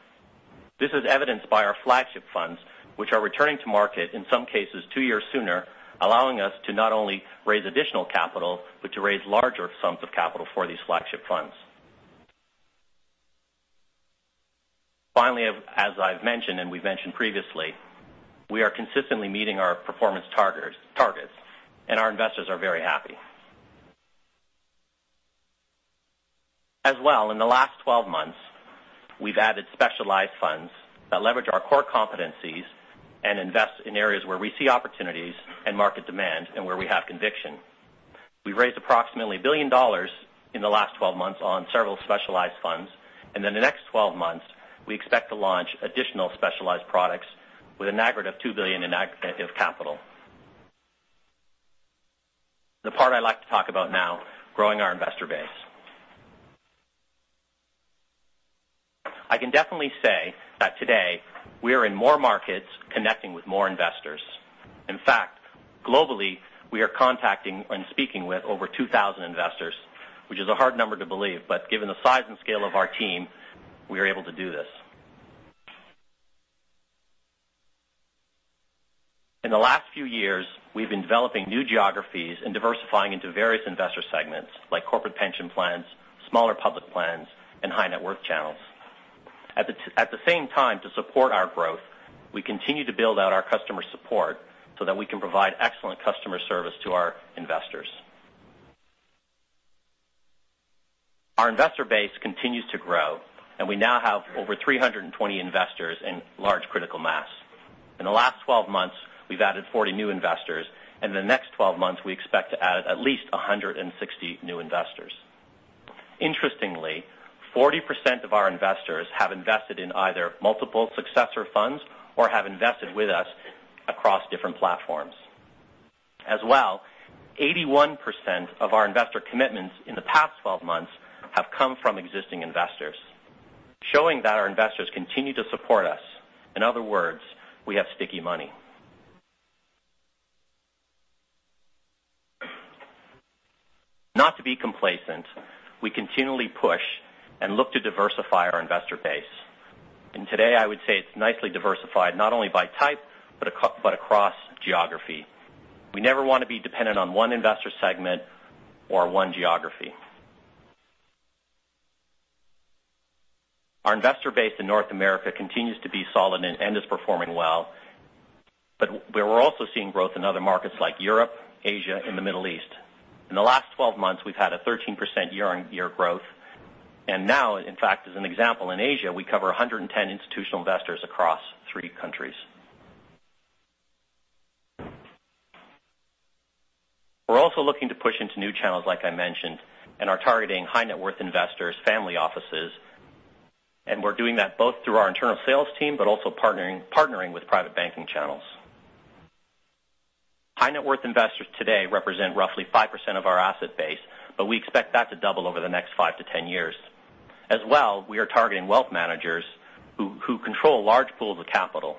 This is evidenced by our flagship funds, which are returning to market, in some cases 2 years sooner, allowing us to not only raise additional capital, but to raise larger sums of capital for these flagship funds. Finally, as I've mentioned and we've mentioned previously, we are consistently meeting our performance targets, and our investors are very happy. As well, in the last 12 months, we've added specialized funds that leverage our core competencies and invest in areas where we see opportunities and market demand and where we have conviction. We've raised approximately $1 billion in the last 12 months on several specialized funds. In the next 12 months, we expect to launch additional specialized products with an aggregate of $2 billion in aggregate of capital. The part I'd like to talk about now is growing our investor base. I can definitely say that today we are in more markets connecting with more investors. In fact, globally, we are contacting and speaking with over 2,000 investors, which is a hard number to believe, but given the size and scale of our team, we are able to do this. In the last few years, we've been developing new geographies and diversifying into various investor segments, like corporate pension plans, smaller public plans, and high-net-worth channels. At the same time, to support our growth, we continue to build out our customer support so that we can provide excellent customer service to our investors. Our investor base continues to grow, and we now have over 320 investors in large critical mass. In the last 12 months, we've added 40 new investors. In the next 12 months, we expect to add at least 160 new investors. Interestingly, 40% of our investors have invested in either multiple successor funds or have invested with us across different platforms. As well, 81% of our investor commitments in the past 12 months have come from existing investors, showing that our investors continue to support us. In other words, we have sticky money. Not to be complacent, we continually push and look to diversify our investor base. Today, I would say it's nicely diversified, not only by type but across geography. We never want to be dependent on one investor segment or one geography. Our investor base in North America continues to be solid and is performing well. We're also seeing growth in other markets like Europe, Asia, and the Middle East. In the last 12 months, we've had a 13% year-on-year growth. Now, in fact, as an example, in Asia, we cover 110 institutional investors across three countries. We're also looking to push into new channels, like I mentioned, and are targeting high-net-worth investors, family offices. We're doing that both through our internal sales team, but also partnering with private banking channels. High-net-worth investors today represent roughly 5% of our asset base, but we expect that to double over the next five to 10 years. As well, we are targeting wealth managers who control large pools of capital.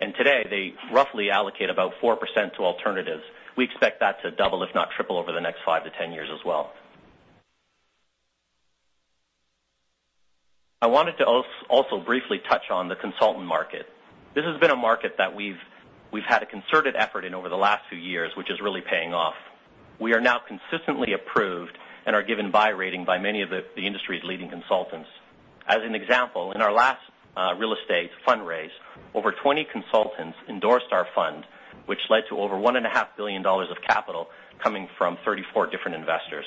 Today, they roughly allocate about 4% to alternatives. We expect that to double, if not triple, over the next five to 10 years as well. I wanted to also briefly touch on the consultant market. This has been a market that we've had a concerted effort in over the last few years, which is really paying off. We are now consistently approved and are given buy rating by many of the industry's leading consultants. As an example, in our last real estate fundraise, over 20 consultants endorsed our fund, which led to over $1.5 billion of capital coming from 34 different investors.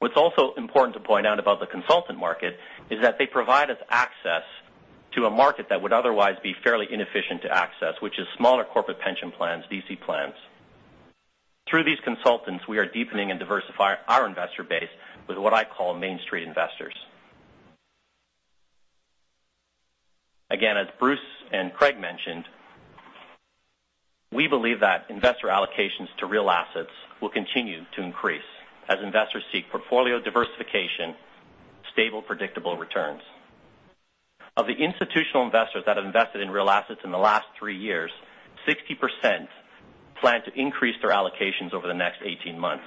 What's also important to point out about the consultant market is that they provide us access to a market that would otherwise be fairly inefficient to access, which is smaller corporate pension plans, DC plans. Through these consultants, we are deepening and diversifying our investor base with what I call Main Street investors. Again, as Bruce and Craig mentioned, we believe that investor allocations to real assets will continue to increase as investors seek portfolio diversification, stable, predictable returns. Of the institutional investors that have invested in real assets in the last three years, 60% plan to increase their allocations over the next 18 months.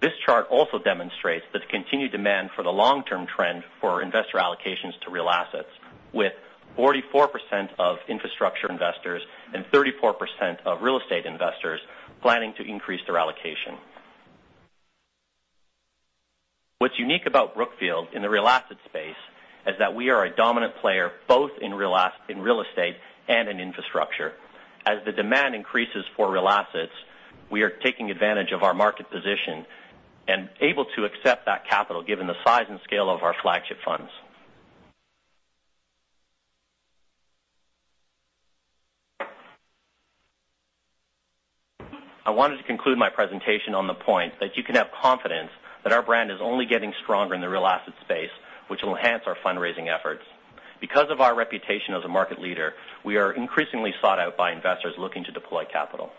This chart also demonstrates the continued demand for the long-term trend for investor allocations to real assets, with 44% of infrastructure investors and 34% of real estate investors planning to increase their allocation. What's unique about Brookfield in the real asset space is that we are a dominant player both in real estate and in infrastructure. As the demand increases for real assets, we are taking advantage of our market position and able to accept that capital, given the size and scale of our flagship funds. I wanted to conclude my presentation on the point that you can have confidence that our brand is only getting stronger in the real asset space, which will enhance our fundraising efforts. Because of our reputation as a market leader, we are increasingly sought out by investors looking to deploy capital.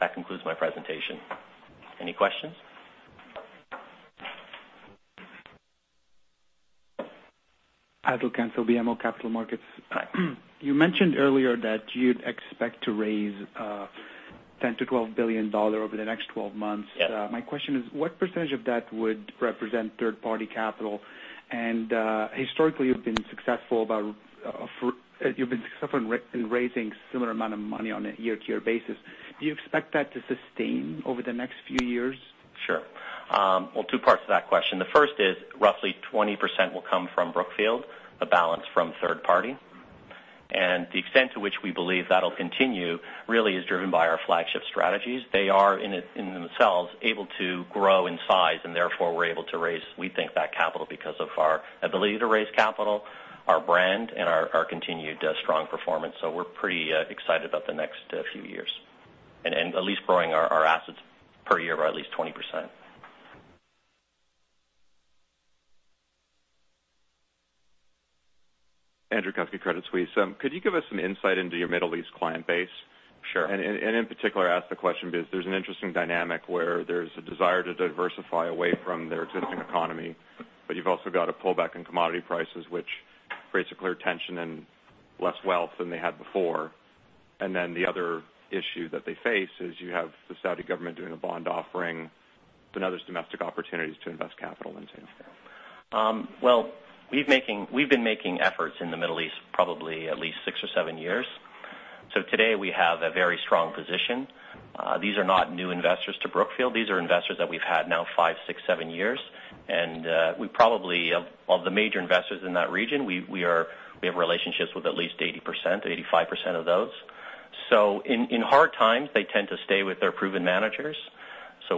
That concludes my presentation. Any questions? Paresh Kanzaria, BMO Capital Markets. Hi. You mentioned earlier that you'd expect to raise $10 billion-$12 billion over the next 12 months. Yes. My question is, what % of that would represent third-party capital? Historically, you've been successful in raising similar amount of money on a year-to-year basis. Do you expect that to sustain over the next few years? Sure. Well, two parts to that question. The first is roughly 20% will come from Brookfield, the balance from third party. The extent to which we believe that'll continue really is driven by our flagship strategies. They are, in themselves, able to grow in size, and therefore we're able to raise, we think, that capital because of our ability to raise capital, our brand, and our continued strong performance. We're pretty excited about the next few years and at least growing our assets per year by at least 20%. Andrew Kuske, Credit Suisse. Could you give us some insight into your Middle East client base? Sure. In particular, I ask the question because there's an interesting dynamic where there's a desire to diversify away from their existing economy, but you've also got a pullback in commodity prices, which creates a clear tension in less wealth than they had before. The other issue that they face is you have the Saudi government doing a bond offering and other domestic opportunities to invest capital into. Well, we've been making efforts in the Middle East probably at least six or seven years. Today we have a very strong position. These are not new investors to Brookfield. These are investors that we've had now five, six, seven years. Of the major investors in that region, we have relationships with at least 80%-85% of those. In hard times, they tend to stay with their proven managers.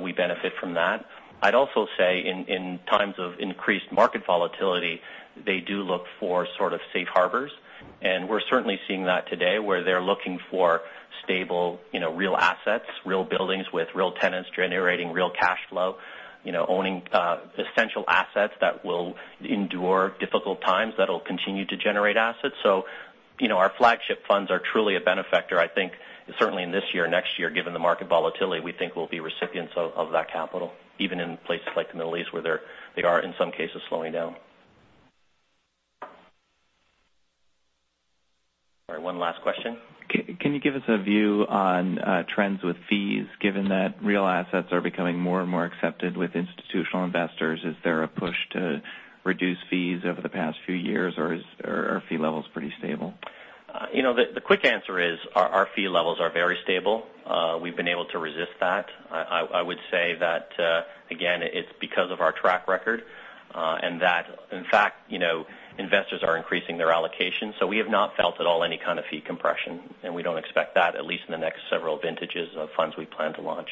We benefit from that. I'd also say in times of increased market volatility, they do look for sort of safe harbors, and we're certainly seeing that today, where they're looking for stable real assets, real buildings with real tenants generating real cash flow, owning essential assets that will endure difficult times, that'll continue to generate assets. Our flagship funds are truly a benefactor. I think certainly in this year, next year, given the market volatility, we think we'll be recipients of that capital, even in places like the Middle East, where they are, in some cases, slowing down. All right, one last question. Can you give us a view on trends with fees, given that real assets are becoming more and more accepted with institutional investors? Is there a push to reduce fees over the past few years, or are fee levels pretty stable? The quick answer is our fee levels are very stable. We've been able to resist that. I would say that, again, it's because of our track record and that, in fact, investors are increasing their allocation. We have not felt at all any kind of fee compression, and we don't expect that, at least in the next several vintages of funds we plan to launch.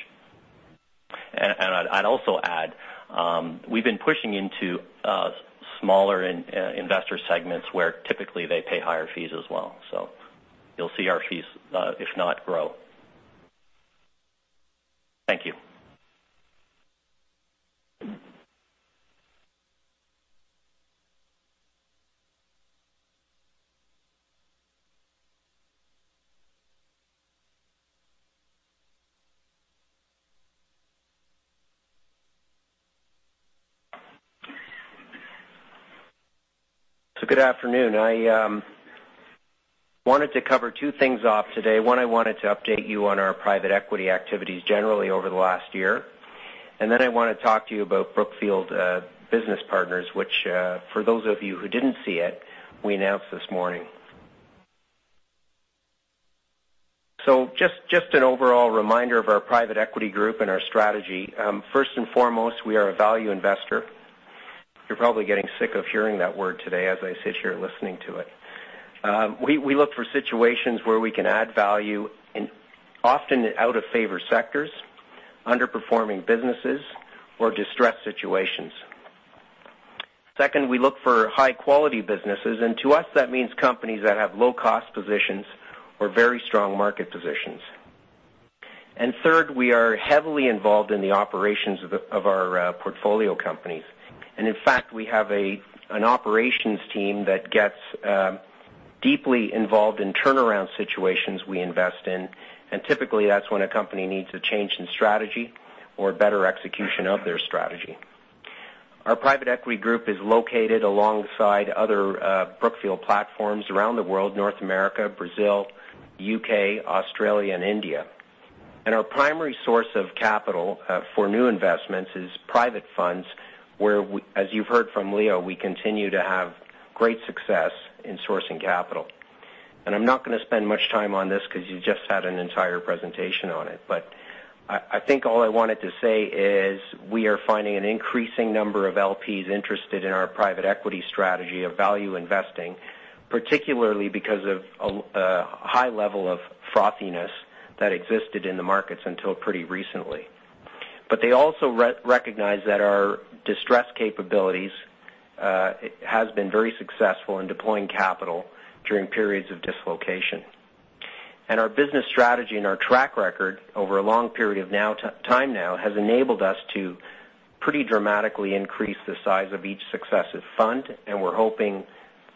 I'd also add, we've been pushing into smaller investor segments where typically they pay higher fees as well. You'll see our fees, if not grow. Thank you. Good afternoon. I wanted to cover two things off today. One, I wanted to update you on our private equity activities generally over the last year. Then I want to talk to you about Brookfield Business Partners, which for those of you who didn't see it, we announced this morning. Just an overall reminder of our private equity group and our strategy. First and foremost, we are a value investor. You're probably getting sick of hearing that word today as I sit here listening to it. We look for situations where we can add value in often out-of-favor sectors, underperforming businesses, or distressed situations. Second, we look for high-quality businesses, and to us, that means companies that have low-cost positions or very strong market positions. Third, we are heavily involved in the operations of our portfolio companies. In fact, we have an operations team that gets deeply involved in turnaround situations we invest in, and typically that's when a company needs a change in strategy or better execution of their strategy. Our private equity group is located alongside other Brookfield platforms around the world, North America, Brazil, U.K., Australia, and India. Our primary source of capital for new investments is private funds, where, as you've heard from Leo, we continue to have great success in sourcing capital. I'm not going to spend much time on this because you just had an entire presentation on it. I think all I wanted to say is we are finding an increasing number of LPs interested in our private equity strategy of value investing, particularly because of a high level of frothiness that existed in the markets until pretty recently. They also recognize that our distressed capabilities has been very successful in deploying capital during periods of dislocation. Our business strategy and our track record over a long period of time now has enabled us to pretty dramatically increase the size of each successive fund, and we're hoping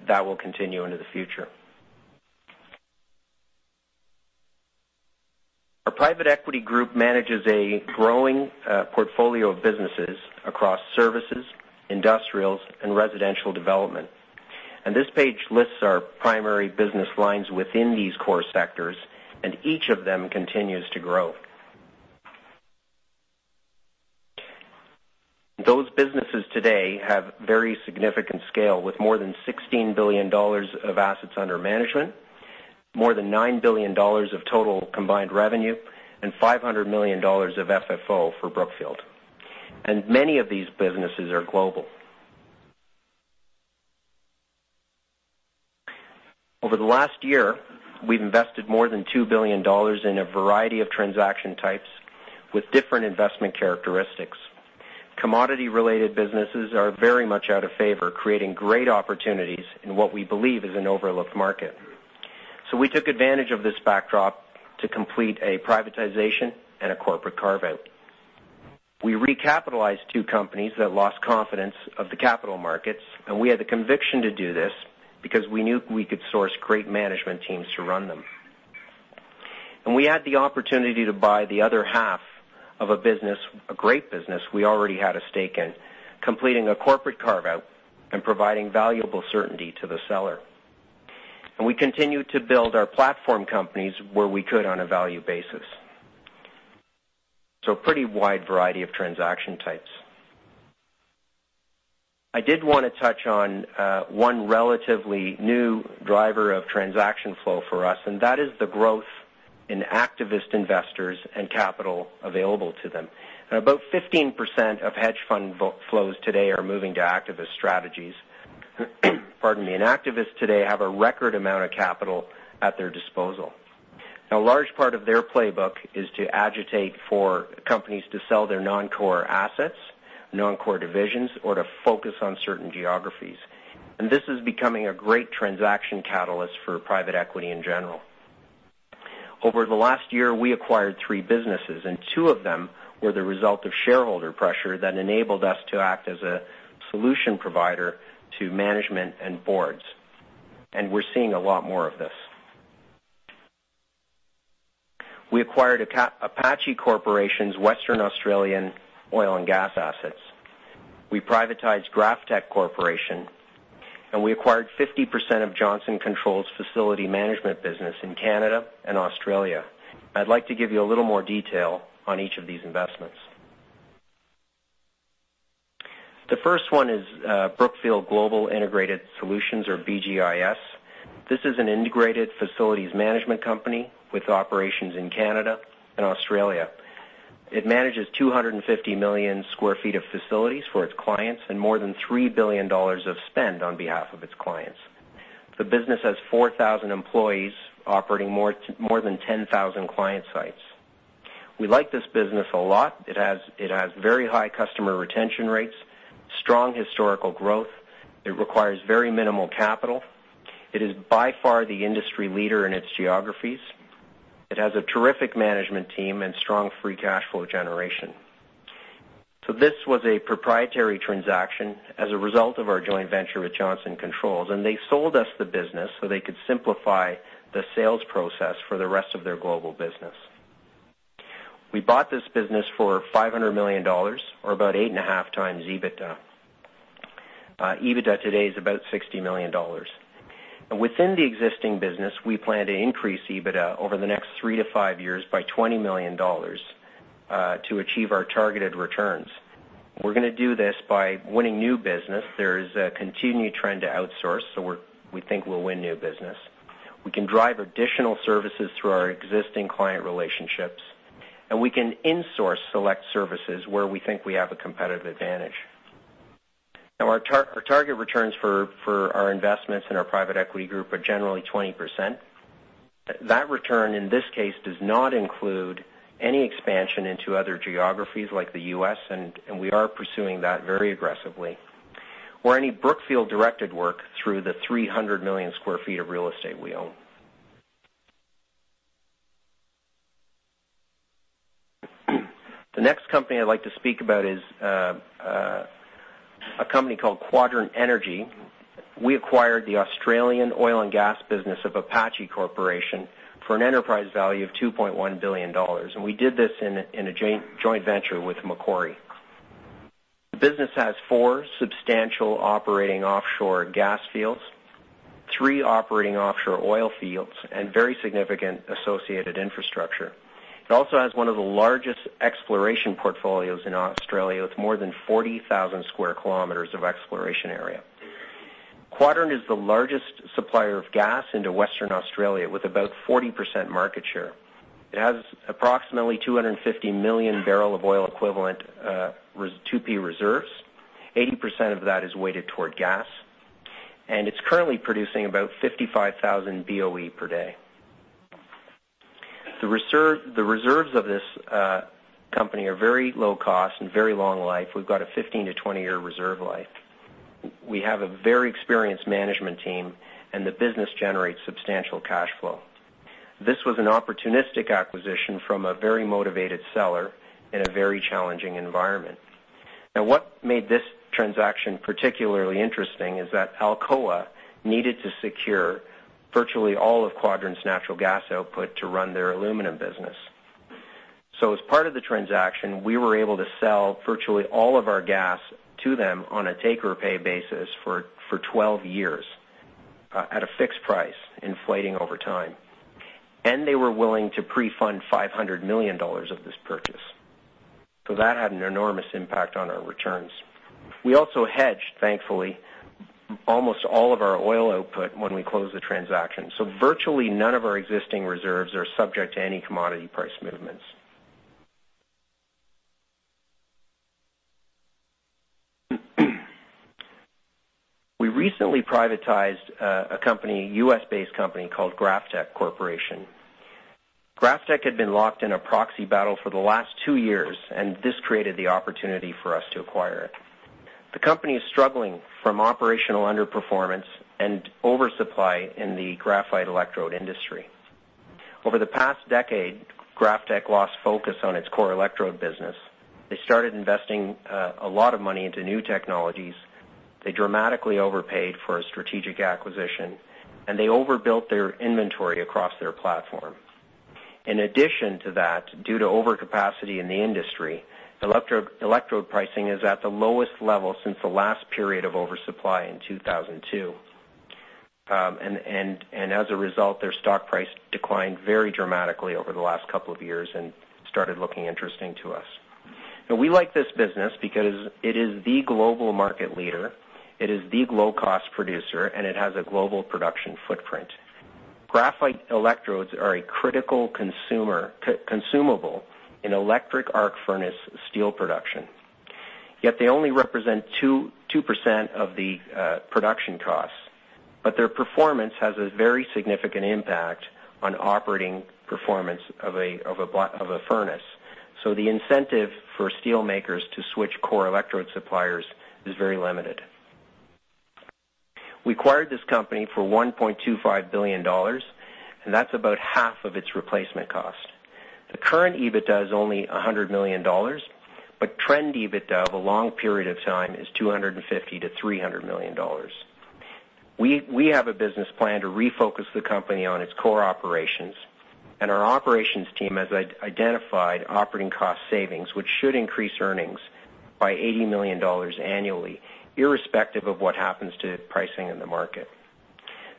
that will continue into the future. Our private equity group manages a growing portfolio of businesses across services, industrials, and residential development. This page lists our primary business lines within these core sectors, and each of them continues to grow. Those businesses today have very significant scale with more than $16 billion of assets under management, more than $9 billion of total combined revenue, and $500 million of FFO for Brookfield. Many of these businesses are global. Over the last year, we've invested more than $2 billion in a variety of transaction types with different investment characteristics. Commodity-related businesses are very much out of favor, creating great opportunities in what we believe is an overlooked market. We took advantage of this backdrop to complete a privatization and a corporate carve-out. We recapitalized two companies that lost confidence of the capital markets, and we had the conviction to do this because we knew we could source great management teams to run them. We had the opportunity to buy the other half of a great business we already had a stake in, completing a corporate carve-out and providing valuable certainty to the seller. We continued to build our platform companies where we could on a value basis. A pretty wide variety of transaction types. I did want to touch on one relatively new driver of transaction flow for us, and that is the growth in activist investors and capital available to them. About 15% of hedge fund flows today are moving to activist strategies. Activists today have a record amount of capital at their disposal. A large part of their playbook is to agitate for companies to sell their non-core assets, non-core divisions, or to focus on certain geographies. This is becoming a great transaction catalyst for private equity in general. Over the last year, we acquired three businesses, and two of them were the result of shareholder pressure that enabled us to act as a solution provider to management and boards. We're seeing a lot more of this. We acquired Apache Corporation's Western Australian oil and gas assets. We privatized GrafTech Corporation, and we acquired 50% of Johnson Controls facility management business in Canada and Australia. I'd like to give you a little more detail on each of these investments. The first one is Brookfield Global Integrated Solutions or BGIS. This is an integrated facilities management company with operations in Canada and Australia. It manages 250 million sq ft of facilities for its clients and more than $3 billion of spend on behalf of its clients. The business has 4,000 employees operating more than 10,000 client sites. We like this business a lot. It has very high customer retention rates, strong historical growth. It requires very minimal capital. It is by far the industry leader in its geographies. It has a terrific management team and strong free cash flow generation. This was a proprietary transaction as a result of our joint venture with Johnson Controls, they sold us the business so they could simplify the sales process for the rest of their global business. We bought this business for $500 million or about 8.5x EBITDA. EBITDA today is about $60 million. Within the existing business, we plan to increase EBITDA over the next 3-5 years by $20 million to achieve our targeted returns. We're going to do this by winning new business. There is a continued trend to outsource, we think we'll win new business. We can drive additional services through our existing client relationships, we can insource select services where we think we have a competitive advantage. Our target returns for our investments in our private equity group are generally 20%. That return, in this case, does not include any expansion into other geographies like the U.S., and we are pursuing that very aggressively, or any Brookfield-directed work through the 300 million sq ft of real estate we own. The next company I'd like to speak about is a company called Quadrant Energy. We acquired the Australian oil and gas business of Apache Corporation for an enterprise value of $2.1 billion. We did this in a joint venture with Macquarie. The business has 4 substantial operating offshore gas fields, 3 operating offshore oil fields, and very significant associated infrastructure. It also has one of the largest exploration portfolios in Australia, with more than 40,000 km of exploration area. Quadrant is the largest supplier of gas into Western Australia, with about 40% market share. It has approximately 250 million barrel of oil equivalent, 2P reserves. 80% of that is weighted toward gas. It's currently producing about 55,000 BOE per day. The reserves of this company are very low cost and very long life. We've got a 15-20 year reserve life. We have a very experienced management team, and the business generates substantial cash flow. This was an opportunistic acquisition from a very motivated seller in a very challenging environment. What made this transaction particularly interesting is that Alcoa needed to secure virtually all of Quadrant's natural gas output to run their aluminum business. As part of the transaction, we were able to sell virtually all of our gas to them on a take-or-pay basis for 12 years at a fixed price, inflating over time. They were willing to pre-fund $500 million of this purchase. That had an enormous impact on our returns. We also hedged, thankfully, almost all of our oil output when we closed the transaction. Virtually none of our existing reserves are subject to any commodity price movements. We recently privatized a U.S.-based company called GrafTech Corporation. GrafTech had been locked in a proxy battle for the last 2 years, this created the opportunity for us to acquire it. The company is struggling from operational underperformance and oversupply in the graphite electrode industry. Over the past decade, GrafTech lost focus on its core electrode business. They started investing a lot of money into new technologies, they dramatically overpaid for a strategic acquisition, and they overbuilt their inventory across their platform. Due to overcapacity in the industry, electrode pricing is at the lowest level since the last period of oversupply in 2002. Their stock price declined very dramatically over the last couple of years and started looking interesting to us. We like this business because it is the global market leader, it is the low-cost producer, and it has a global production footprint. Graphite electrodes are a critical consumable in electric arc furnace steel production. They only represent 2% of the production costs. Their performance has a very significant impact on operating performance of a furnace. The incentive for steelmakers to switch core electrode suppliers is very limited. We acquired this company for $1.25 billion, and that's about half of its replacement cost. The current EBITDA is only $100 million, trend EBITDA over a long period of time is $250 to $300 million. We have a business plan to refocus the company on its core operations, our operations team has identified operating cost savings, which should increase earnings by $80 million annually, irrespective of what happens to pricing in the market.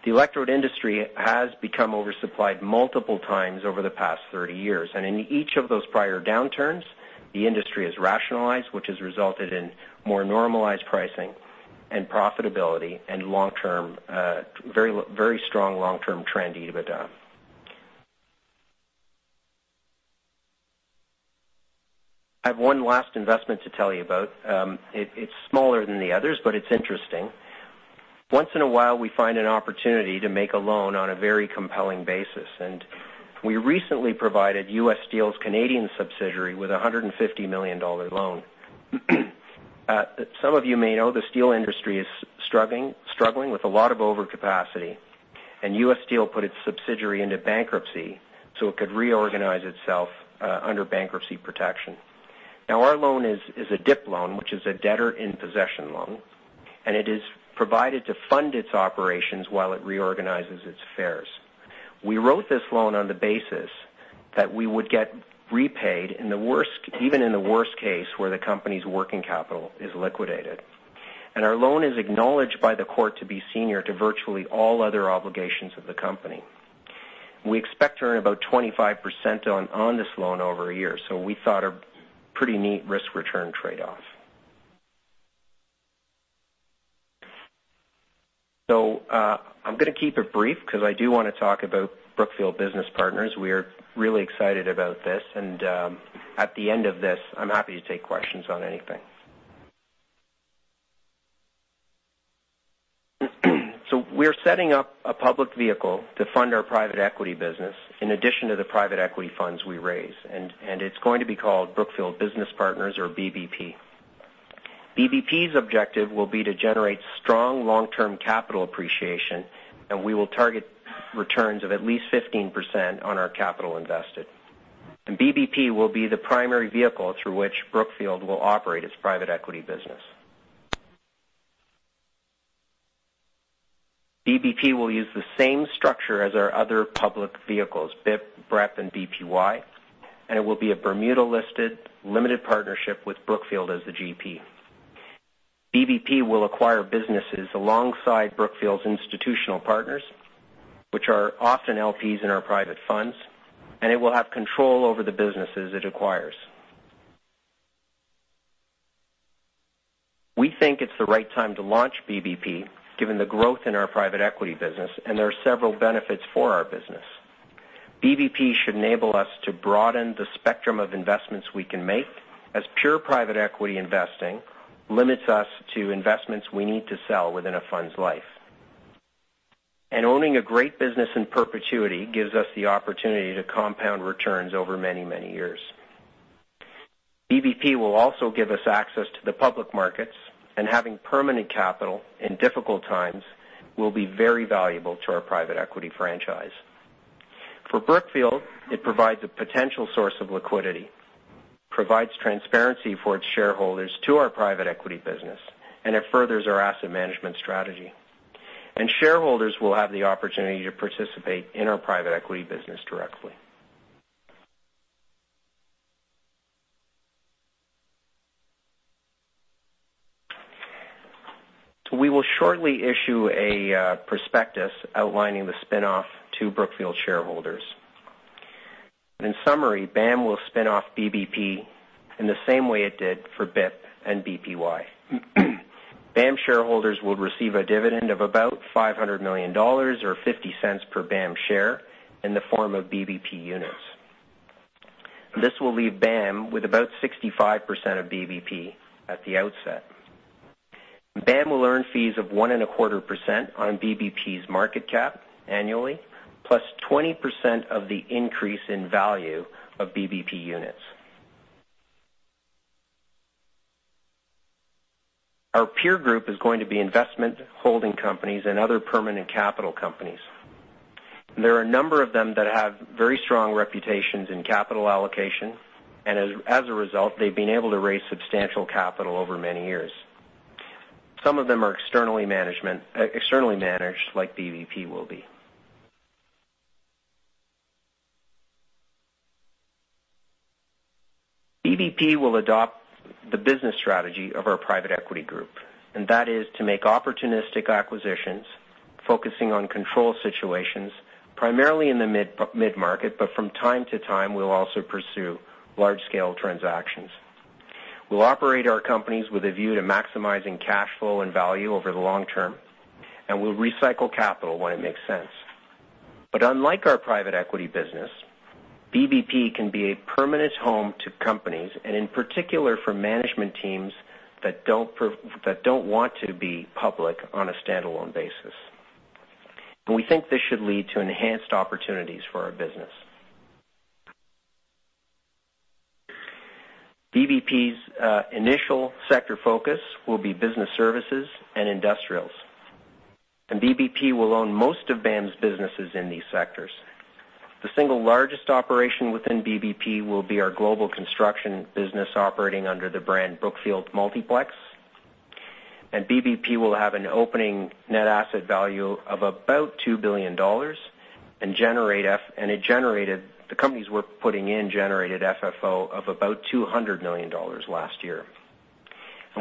The electrode industry has become oversupplied multiple times over the past 30 years, in each of those prior downturns, the industry has rationalized, which has resulted in more normalized pricing and profitability and very strong long-term trend EBITDA. I have one last investment to tell you about. It's smaller than the others, it's interesting. Once in a while, we find an opportunity to make a loan on a very compelling basis, we recently provided U.S. Steel's Canadian subsidiary with $150 million loan. Some of you may know the steel industry is struggling with a lot of overcapacity, U.S. Steel put its subsidiary into bankruptcy so it could reorganize itself under bankruptcy protection. Our loan is a DIP loan, which is a debtor in possession loan, it is provided to fund its operations while it reorganizes its affairs. We wrote this loan on the basis that we would get repaid even in the worst case, where the company's working capital is liquidated. Our loan is acknowledged by the court to be senior to virtually all other obligations of the company. We expect to earn about 25% on this loan over a year. We thought a pretty neat risk-return trade-off. I'm going to keep it brief because I do want to talk about Brookfield Business Partners. We are really excited about this. At the end of this, I'm happy to take questions on anything. We're setting up a public vehicle to fund our private equity business in addition to the private equity funds we raise, it's going to be called Brookfield Business Partners or BBP. BBP's objective will be to generate strong long-term capital appreciation, we will target returns of at least 15% on our capital invested. BBP will be the primary vehicle through which Brookfield will operate its private equity business. BBP will use the same structure as our other public vehicles, BIP, BREP, and BPY, it will be a Bermuda-listed limited partnership with Brookfield as the GP. BBP will acquire businesses alongside Brookfield's institutional partners, which are often LPs in our private funds, it will have control over the businesses it acquires. We think it's the right time to launch BBP, given the growth in our private equity business, there are several benefits for our business. BBP should enable us to broaden the spectrum of investments we can make, as pure private equity investing limits us to investments we need to sell within a fund's life. Owning a great business in perpetuity gives us the opportunity to compound returns over many, many years. BBP will also give us access to the public markets, having permanent capital in difficult times will be very valuable to our private equity franchise. For Brookfield, it provides a potential source of liquidity, provides transparency for its shareholders to our private equity business, it furthers our asset management strategy. Shareholders will have the opportunity to participate in our private equity business directly. We will shortly issue a prospectus outlining the spinoff to Brookfield shareholders. In summary, BAM will spin off BBP in the same way it did for BIP and BPY. BAM shareholders will receive a dividend of about $500 million or $0.50 per BAM share in the form of BBP units. This will leave BAM with about 65% of BBP at the outset. BAM will earn fees of 1.25% on BBP's market cap annually, plus 20% of the increase in value of BBP units. Our peer group is going to be investment holding companies and other permanent capital companies. There are a number of them that have very strong reputations in capital allocation, as a result, they've been able to raise substantial capital over many years. Some of them are externally managed like BBP will be. BBP will adopt the business strategy of our private equity group, that is to make opportunistic acquisitions focusing on control situations, primarily in the mid-market, but from time to time, we'll also pursue large-scale transactions. We'll operate our companies with a view to maximizing cash flow and value over the long term, we'll recycle capital when it makes sense. Unlike our private equity business, BBP can be a permanent home to companies, in particular, for management teams that don't want to be public on a standalone basis. We think this should lead to enhanced opportunities for our business. BBP's initial sector focus will be business services and industrials. BBP will own most of BAM's businesses in these sectors. The single largest operation within BBP will be our global construction business operating under the brand Brookfield Multiplex. BBP will have an opening net asset value of about $2 billion, the companies we're putting in generated FFO of about $200 million last year.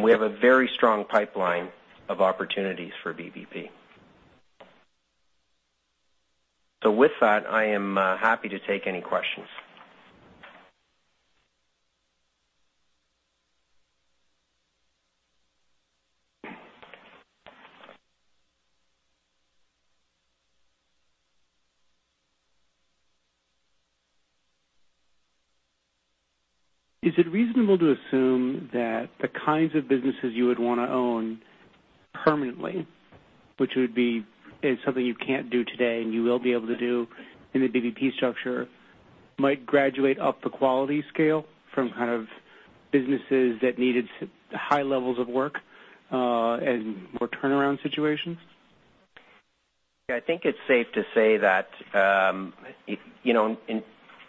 We have a very strong pipeline of opportunities for BBP. With that, I am happy to take any questions. Is it reasonable to assume that the kinds of businesses you would want to own permanently, which would be something you can't do today and you will be able to do in the BBP structure, might graduate up the quality scale from businesses that needed high levels of work and more turnaround situations? Yeah, I think it's safe to say that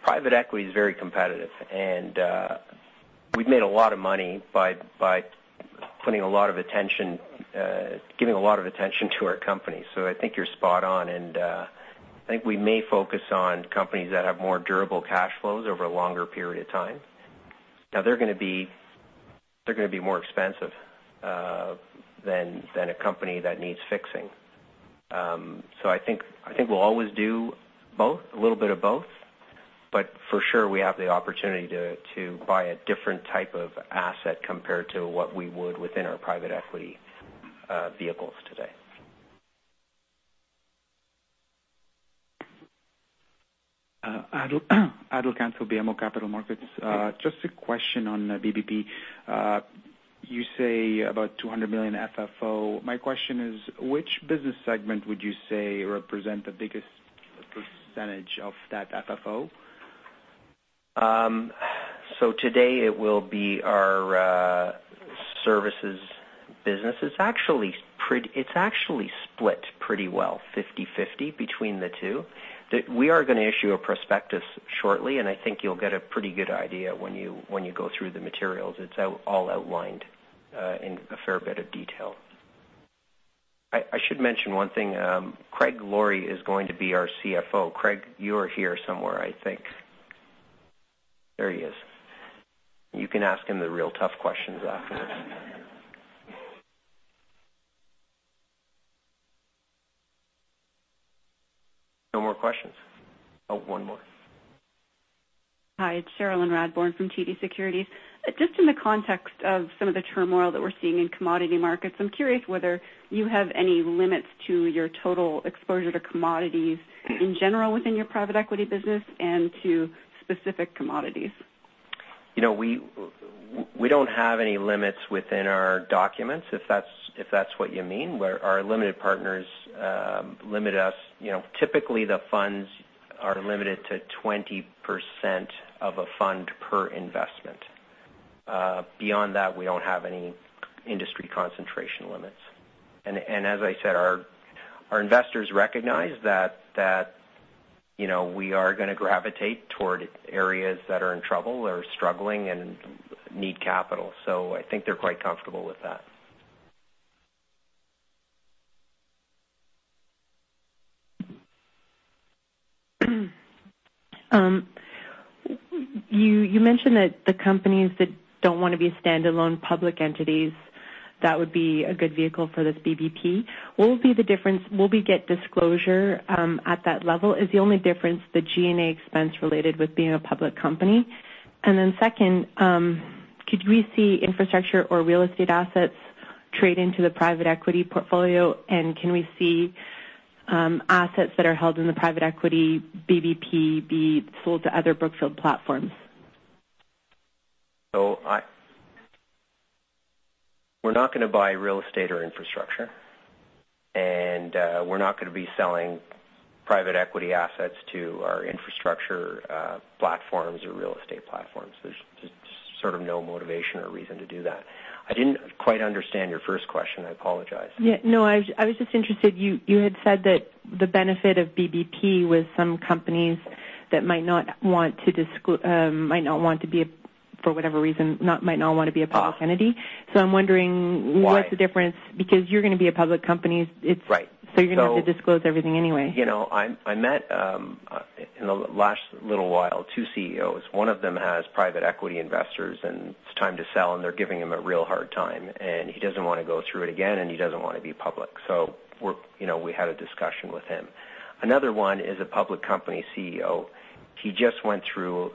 private equity is very competitive, and we've made a lot of money by giving a lot of attention to our company. I think you're spot on, and I think we may focus on companies that have more durable cash flows over a longer period of time. They're going to be more expensive than a company that needs fixing. I think we'll always do a little bit of both, for sure, we have the opportunity to buy a different type of asset compared to what we would within our private equity vehicles today. Adel Cancel, BMO Capital Markets. Just a question on BBP. You say about $200 million FFO. My question is, which business segment would you say represent the biggest % of that FFO? Today it will be our services business. It's actually split pretty well, 50/50 between the two. We are going to issue a prospectus shortly, I think you'll get a pretty good idea when you go through the materials. It's all outlined in a fair bit of detail. I should mention one thing. Craig Laurie is going to be our CFO. Craig, you are here somewhere, I think. There he is. You can ask him the real tough questions afterwards. No more questions? Oh, one more. Hi, it's Cherilyn Radbourne from TD Securities. Just in the context of some of the turmoil that we're seeing in commodity markets, I'm curious whether you have any limits to your total exposure to commodities in general within your private equity business and to specific commodities. We don't have any limits within our documents, if that's what you mean. Where our limited partners limit us, typically the funds are limited to 20% of a fund per investment. Beyond that, we don't have any industry concentration limits. As I said, our investors recognize that we are going to gravitate toward areas that are in trouble or struggling and need capital. I think they're quite comfortable with that. You mentioned that the companies that don't want to be standalone public entities, that would be a good vehicle for this BBP. What will be the difference? Will we get disclosure at that level? Is the only difference the G&A expense related with being a public company? Second, could we see infrastructure or real estate assets trade into the private equity portfolio? Can we see assets that are held in the private equity BBP be sold to other Brookfield platforms? We're not going to buy real estate or infrastructure, and we're not going to be selling private equity assets to our infrastructure platforms or real estate platforms. There's sort of no motivation or reason to do that. I didn't quite understand your first question. I apologize. Yeah, no, I was just interested. You had said that the benefit of BBP was some companies that might not want to be, for whatever reason, might not want to be a public entity. I'm wondering- Why? What's the difference? You're going to be a public company. Right. You're going to have to disclose everything anyway. I met, in the last little while, two CEOs. One of them has private equity investors, and it's time to sell, and they're giving him a real hard time, and he doesn't want to go through it again, and he doesn't want to be public. We had a discussion with him. Another one is a public company CEO. He just went through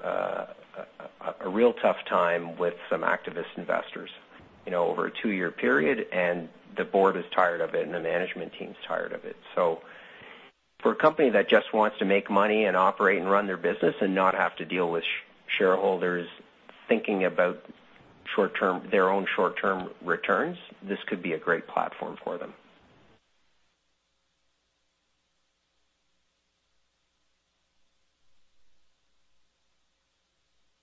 a real tough time with some activist investors over a two-year period, and the board is tired of it, and the management team's tired of it. For a company that just wants to make money and operate and run their business and not have to deal with shareholders thinking about their own short-term returns, this could be a great platform for them.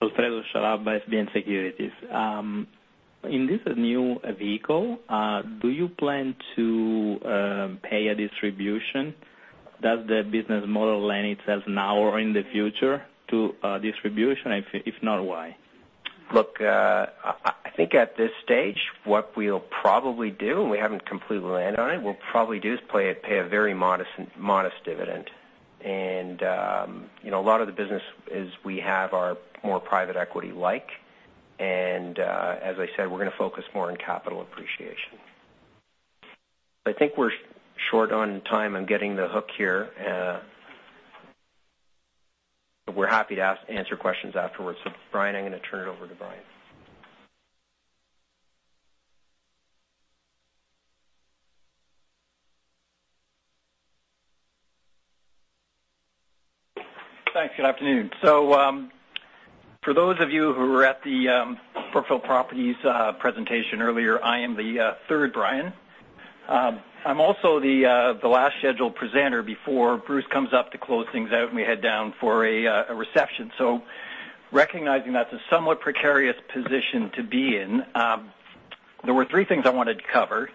Alfredo Charab, SBN Securities. In this new vehicle, do you plan to pay a distribution? Does the business model lend itself now or in the future to distribution? If not, why? Look, I think at this stage, what we'll probably do, and we haven't completely landed on it, we'll probably just pay a very modest dividend. A lot of the businesses we have are more private equity-like. As I said, we're going to focus more on capital appreciation. I think we're short on time. I'm getting the hook here. We're happy to answer questions afterwards. Brian, I'm going to turn it over to Brian. Thanks. Good afternoon. For those of you who were at the Brookfield Properties presentation earlier, I am the third Brian. I'm also the last scheduled presenter before Bruce comes up to close things out, and we head down for a reception. Recognizing that's a somewhat precarious position to be in, there were three things I wanted to cover.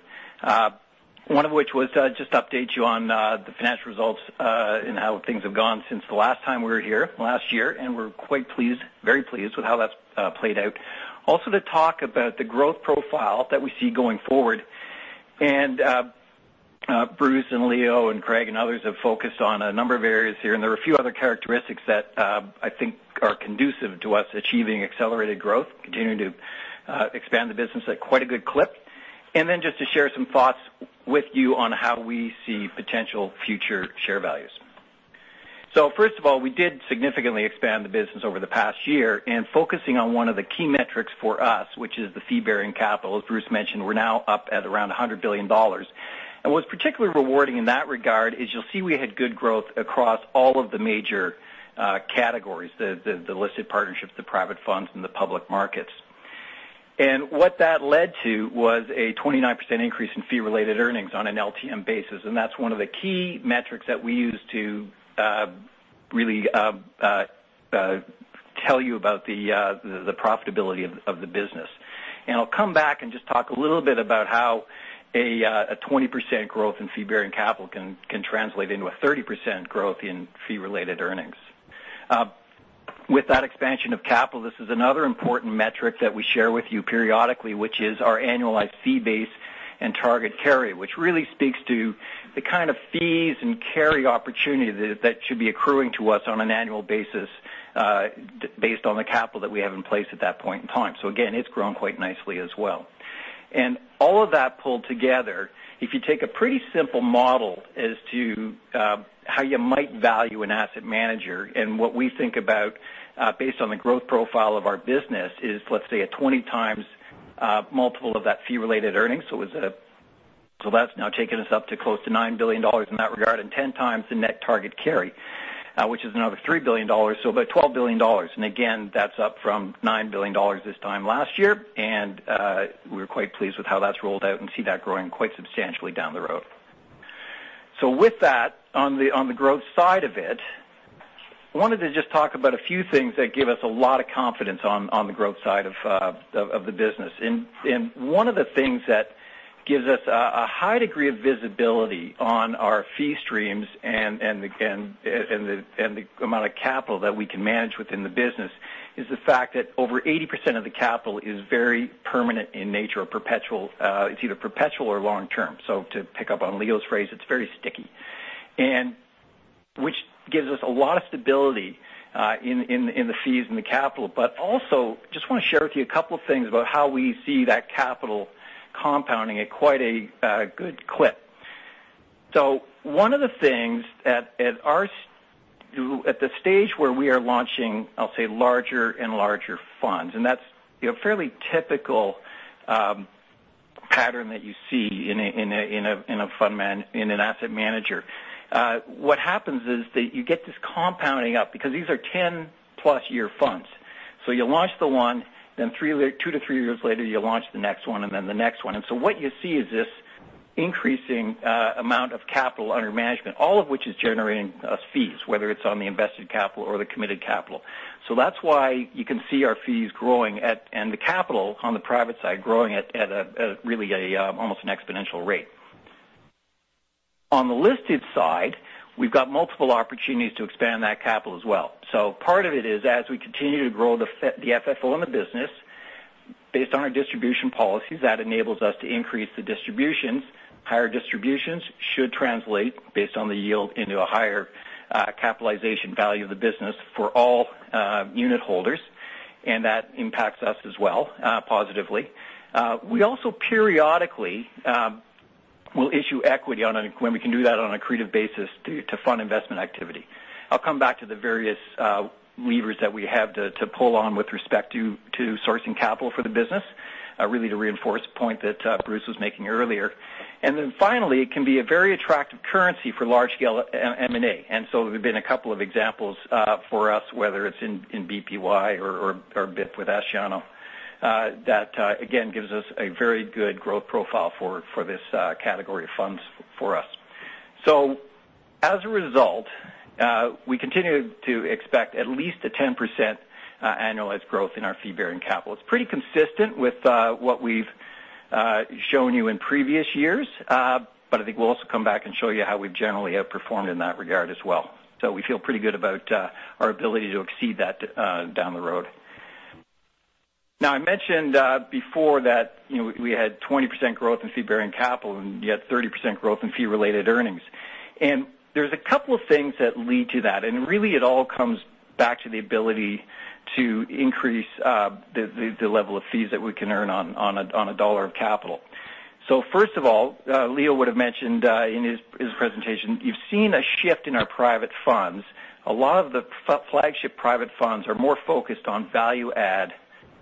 One of which was just update you on the financial results and how things have gone since the last time we were here last year, and we're quite pleased, very pleased with how that's played out. Also to talk about the growth profile that we see going forward. Bruce and Leo and Craig and others have focused on a number of areas here, there are a few other characteristics that I think are conducive to us achieving accelerated growth, continuing to expand the business at quite a good clip. Then just to share some thoughts with you on how we see potential future share values. First of all, we did significantly expand the business over the past year focusing on one of the key metrics for us, which is the fee-bearing capital. As Bruce mentioned, we're now up at around $100 billion. What's particularly rewarding in that regard is you'll see we had good growth across all of the major categories, the listed partnerships, the private funds, and the public markets. What that led to was a 29% increase in fee related earnings on an LTM basis, that's one of the key metrics that we use to really tell you about the profitability of the business. I'll come back and just talk a little bit about how a 20% growth in fee bearing capital can translate into a 30% growth in fee related earnings. With that expansion of capital, this is another important metric that we share with you periodically, which is our annualized fee base and target carry. Really speaks to the kind of fees and carry opportunity that should be accruing to us on an annual basis based on the capital that we have in place at that point in time. Again, it's grown quite nicely as well. All of that pulled together, if you take a pretty simple model as to how you might value an asset manager, what we think about based on the growth profile of our business is, let's say, a 20 times multiple of that fee related earnings. That's now taken us up to close to $9 billion in that regard and 10 times the net target carry, which is another $3 billion, about $12 billion. Again, that's up from $9 billion this time last year, we're quite pleased with how that's rolled out and see that growing quite substantially down the road. With that, on the growth side of it, wanted to just talk about a few things that give us a lot of confidence on the growth side of the business. One of the things that gives us a high degree of visibility on our fee streams and the amount of capital that we can manage within the business is the fact that over 80% of the capital is very permanent in nature or perpetual. It's either perpetual or long term. To pick up on Leo's phrase, it's very sticky. Gives us a lot of stability in the fees and the capital. Also, just want to share with you a couple of things about how we see that capital compounding at quite a good clip. One of the things at the stage where we are launching, I'll say, larger and larger funds, that's fairly typical pattern that you see in an asset manager. What happens is that you get this compounding up because these are 10 plus year funds. You launch the one, then two to three years later, you launch the next one, the next one. What you see is this increasing amount of capital under management, all of which is generating us fees, whether it's on the invested capital or the committed capital. That's why you can see our fees growing, the capital on the private side growing at really almost an exponential rate. On the listed side, we've got multiple opportunities to expand that capital as well. Part of it is as we continue to grow the FFO in the business based on our distribution policies, that enables us to increase the distributions. Higher distributions should translate based on the yield into a higher capitalization value of the business for all unit holders, that impacts us as well positively. We also periodically will issue equity when we can do that on an accretive basis to fund investment activity. I'll come back to the various levers that we have to pull on with respect to sourcing capital for the business, really to reinforce the point that Bruce was making earlier. Finally, it can be a very attractive currency for large scale M&A. There's been a couple of examples for us, whether it's in BPY or BIP with Asciano. That again, gives us a very good growth profile for this category of funds for us. As a result, we continue to expect at least a 10% annualized growth in our fee-bearing capital. It's pretty consistent with what we've shown you in previous years. I think we'll also come back and show you how we generally have performed in that regard as well. We feel pretty good about our ability to exceed that down the road. Now, I mentioned before that we had 20% growth in fee-bearing capital and yet 30% growth in fee related earnings. There's a couple of things that lead to that, really it all comes back to the ability to increase the level of fees that we can earn on a dollar of capital. First of all, Leo would have mentioned in his presentation, you've seen a shift in our private funds. A lot of the flagship private funds are more focused on value-add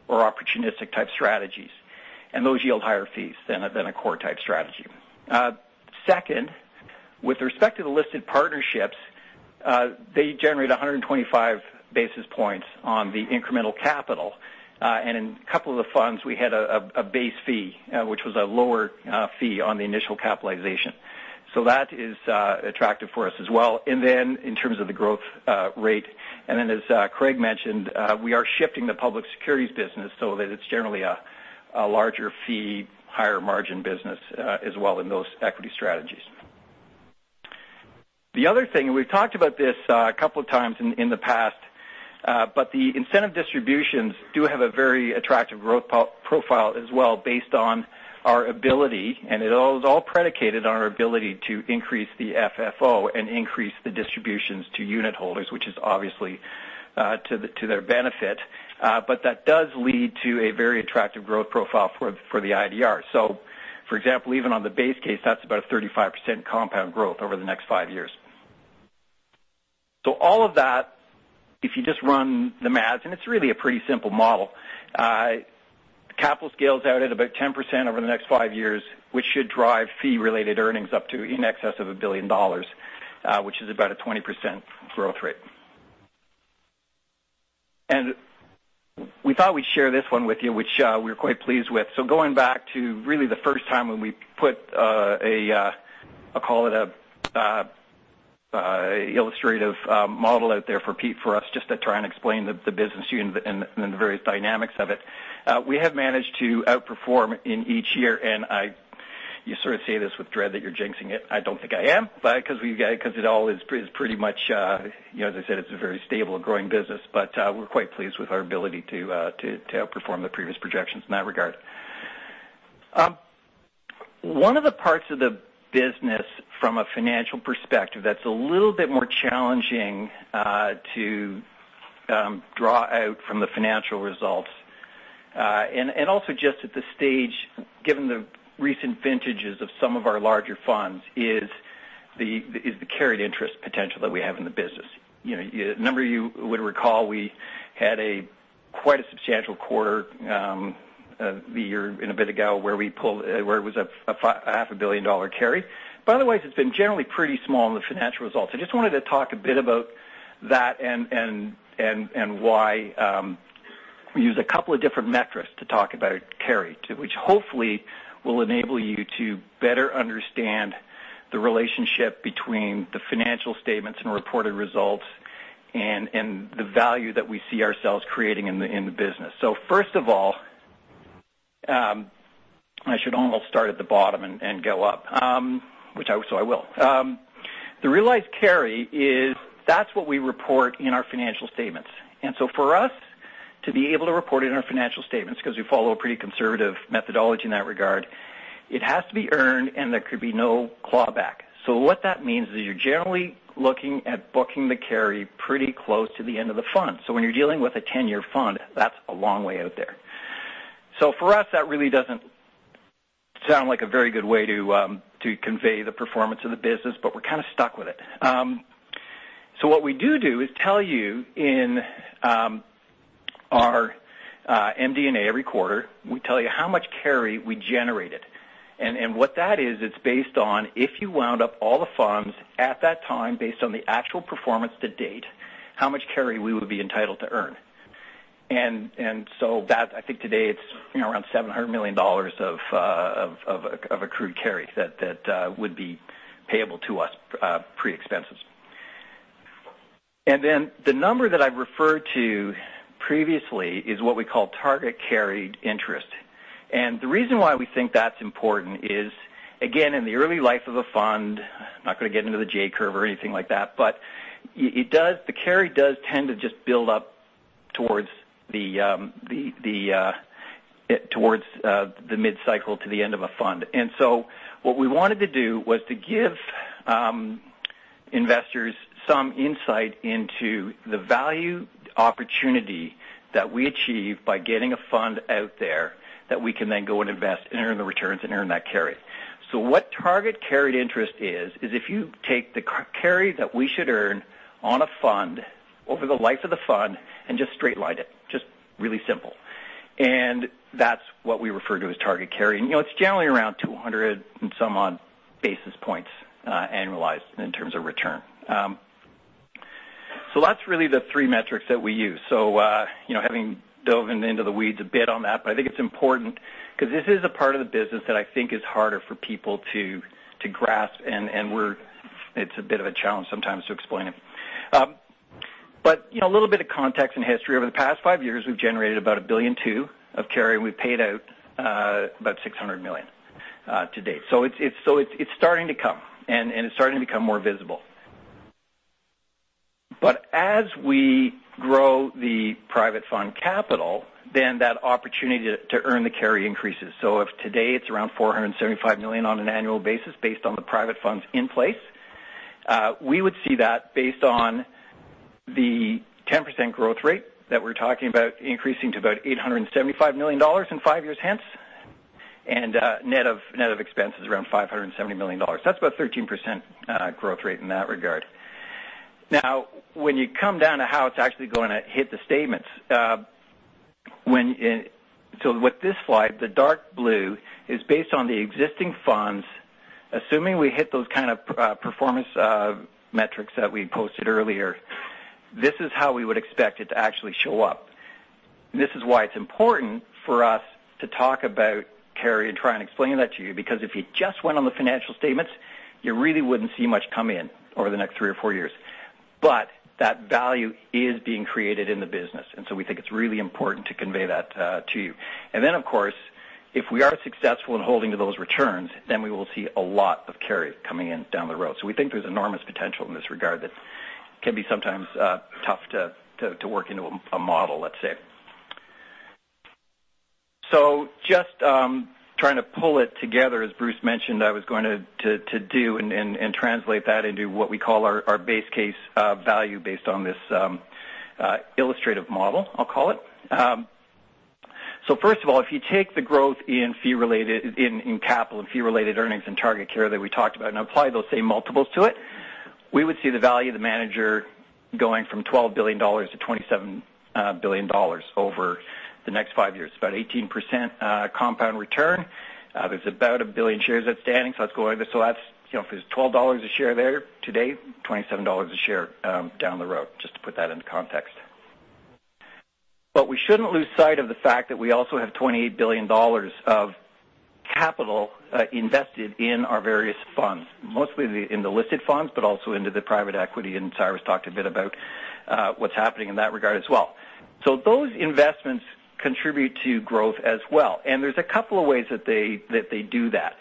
or opportunistic type strategies, and those yield higher fees than a core type strategy. Second, with respect to the listed partnerships, they generate 125 basis points on the incremental capital. In a couple of the funds, we had a base fee, which was a lower fee on the initial capitalization. That is attractive for us as well. In terms of the growth rate, as Craig mentioned, we are shifting the public securities business so that it's generally a larger fee, higher margin business as well in those equity strategies. The other thing, we've talked about this a couple of times in the past, the incentive distributions do have a very attractive growth profile as well based on our ability, and it was all predicated on our ability to increase the FFO and increase the distributions to unit holders, which is obviously to their benefit. That does lead to a very attractive growth profile for the IDR. For example, even on the base case, that's about a 35% compound growth over the next five years. All of that, if you just run the maths, it's really a pretty simple model. Capital scales out at about 10% over the next five years, which should drive fee related earnings up to in excess of $1 billion, which is about a 20% growth rate. We thought we'd share this one with you, which we're quite pleased with. Going back to really the first time when we put a, I'll call it an illustrative model out there for Pete, for us just to try and explain the business unit and the various dynamics of it. We have managed to outperform in each year, you sort of say this with dread that you're jinxing it. I don't think I am, because it all is pretty much, as I said, it's a very stable and growing business. We're quite pleased with our ability to outperform the previous projections in that regard. One of the parts of the business from a financial perspective that's a little bit more challenging to draw out from the financial results. Also just at this stage, given the recent vintages of some of our larger funds, is the carried interest potential that we have in the business. A number of you would recall we had quite a substantial quarter a year and a bit ago, where it was a half a billion dollar carry. Otherwise, it's been generally pretty small in the financial results. I just wanted to talk a bit about that and why we use a couple of different metrics to talk about carry, which hopefully will enable you to better understand the relationship between the financial statements and reported results and the value that we see ourselves creating in the business. First of all, I should almost start at the bottom and go up. I will. The realized carry is what we report in our financial statements. For us to be able to report it in our financial statements, because we follow a pretty conservative methodology in that regard, it has to be earned, and there could be no clawback. What that means is you're generally looking at booking the carry pretty close to the end of the fund. When you're dealing with a 10-year fund, that's a long way out there. For us, that really doesn't sound like a very good way to convey the performance of the business, but we're kind of stuck with it. What we do do is tell you in our MD&A every quarter. We tell you how much carry we generated. What that is, it's based on if you wound up all the funds at that time based on the actual performance to date, how much carry we would be entitled to earn. That, I think today it's around $700 million of accrued carry that would be payable to us pre-expenses. Then the number that I referred to previously is what we call target carried interest. The reason why we think that's important is, again, in the early life of a fund, I'm not going to get into the J curve or anything like that, but the carry does tend to just build up towards the mid-cycle to the end of a fund. What we wanted to do was to give investors some insight into the value opportunity that we achieve by getting a fund out there that we can then go and invest and earn the returns and earn that carry. What target carried interest is if you take the carry that we should earn on a fund over the life of the fund and just straight line it, just really simple. That's what we refer to as target carry. It's generally around 200 and some odd basis points annualized in terms of return. That's really the 3 metrics that we use. Having delved into the weeds a bit on that, but I think it's important because this is a part of the business that I think is harder for people to grasp, and it's a bit of a challenge sometimes to explain it. A little bit of context and history. Over the past 5 years, we've generated about $1.2 billion of carry, and we've paid out about $600 million to date. It's starting to come, and it's starting to become more visible. As we grow the private fund capital, then that opportunity to earn the carry increases. If today it's around $475 million on an annual basis based on the private funds in place, we would see that based on the 10% growth rate that we're talking about increasing to about $875 million in 5 years hence, and net of expenses around $570 million. That's about 13% growth rate in that regard. When you come down to how it's actually going to hit the statements. With this slide, the dark blue is based on the existing funds. Assuming we hit those kind of performance metrics that we posted earlier, this is how we would expect it to actually show up. This is why it's important for us to talk about carry and try and explain that to you, because if you just went on the financial statements, you really wouldn't see much come in over the next three or four years. That value is being created in the business. We think it's really important to convey that to you. Of course, if we are successful in holding to those returns, then we will see a lot of carry coming in down the road. We think there's enormous potential in this regard that can be sometimes tough to work into a model, let's say. Just trying to pull it together, as Bruce mentioned I was going to do, and translate that into what we call our base case value based on this illustrative model, I'll call it. First of all, if you take the growth in capital and fee-related earnings and target carry that we talked about and apply those same multiples to it, we would see the value of the manager going from $12 billion to $27 billion over the next 5 years. About 18% compound return. There's about 1 billion shares outstanding. If there's $12 a share there today, $27 a share down the road, just to put that into context. We shouldn't lose sight of the fact that we also have $28 billion of capital invested in our various funds, mostly in the listed funds, but also into the private equity, and Cyrus talked a bit about what's happening in that regard as well. Those investments contribute to growth as well, and there's a couple of ways that they do that.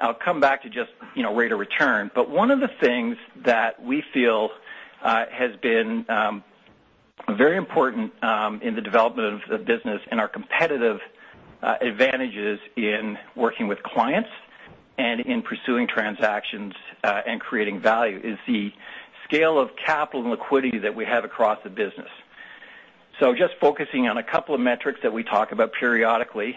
I'll come back to just rate of return. One of the things that we feel has been very important in the development of the business and our competitive advantages in working with clients and in pursuing transactions and creating value is the scale of capital and liquidity that we have across the business. Just focusing on a couple of metrics that we talk about periodically.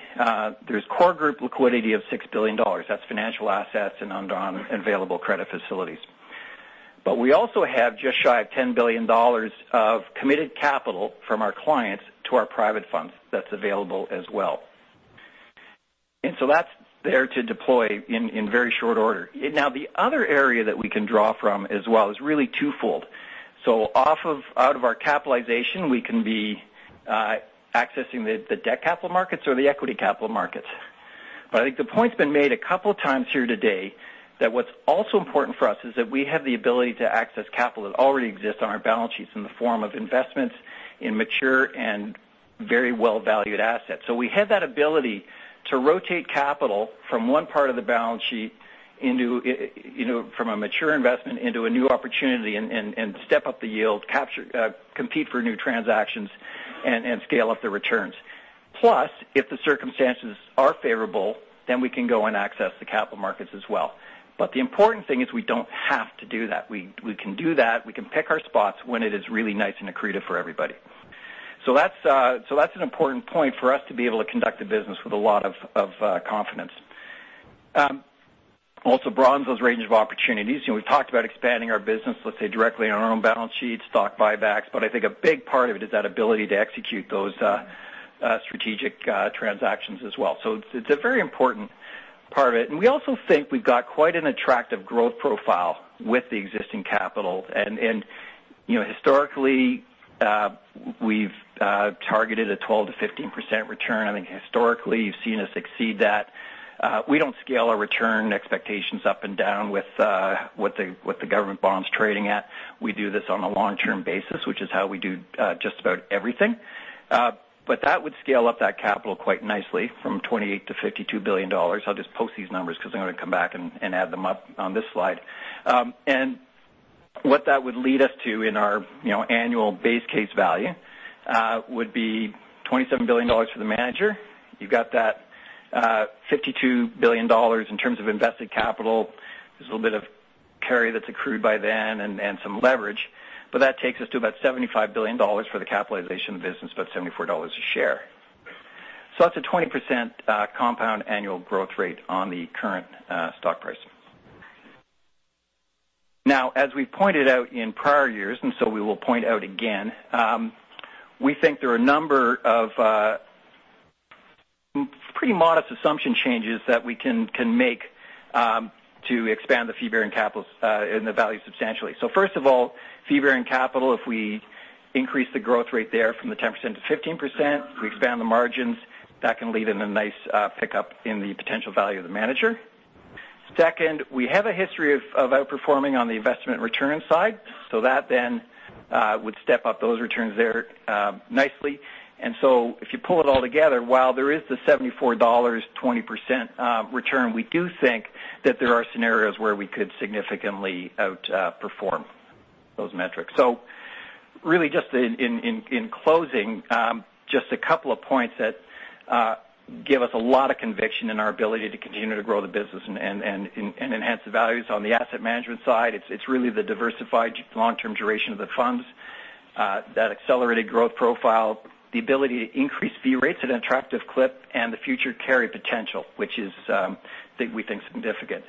There's core group liquidity of $6 billion. That's financial assets and undrawn available credit facilities. We also have just shy of $10 billion of committed capital from our clients to our private funds that's available as well. That's there to deploy in very short order. The other area that we can draw from as well is really twofold. Out of our capitalization, we can be accessing the debt capital markets or the equity capital markets. I think the point's been made a couple times here today that what's also important for us is that we have the ability to access capital that already exists on our balance sheets in the form of investments in mature and very well-valued assets. We have that ability to rotate capital from one part of the balance sheet, from a mature investment into a new opportunity and step up the yield, compete for new transactions, and scale up the returns. Plus, if the circumstances are favorable, we can go and access the capital markets as well. The important thing is we don't have to do that. We can do that. We can pick our spots when it is really nice and accretive for everybody. That's an important point for us to be able to conduct a business with a lot of confidence. Also broadens those range of opportunities. We've talked about expanding our business, let's say, directly on our own balance sheet, stock buybacks, I think a big part of it is that ability to execute those strategic transactions as well. It's a very important part of it. We also think we've got quite an attractive growth profile with the existing capital. Historically, we've targeted a 12%-15% return. I think historically, you've seen us exceed that. We don't scale our return expectations up and down with what the government bond's trading at. We do this on a long-term basis, which is how we do just about everything. That would scale up that capital quite nicely from $28 billion-$52 billion. I'll just post these numbers because I'm going to come back and add them up on this slide. What that would lead us to in our annual base case value would be $27 billion for the manager. You've got that $52 billion in terms of invested capital. There's a little bit of carry that's accrued by then and some leverage. That takes us to about $75 billion for the capitalization of the business, about $74 a share. That's a 20% compound annual growth rate on the current stock price. As we pointed out in prior years, we will point out again, we think there are a number of pretty modest assumption changes that we can make to expand the fee-bearing capital and the value substantially. First of all, fee-bearing capital, if we increase the growth rate there from the 10%-15%, we expand the margins. That can lead in a nice pickup in the potential value of the manager. Second, we have a history of outperforming on the investment return side. That then would step up those returns there nicely. if you pull it all together, while there is the $74, 20% return, we do think that there are scenarios where we could significantly outperform those metrics. Really just in closing, just a couple of points that give us a lot of conviction in our ability to continue to grow the business and enhance the values on the asset management side. It's really the diversified long-term duration of the funds that accelerated growth profile, the ability to increase fee rates at an attractive clip, and the future carry potential, which we think is significant.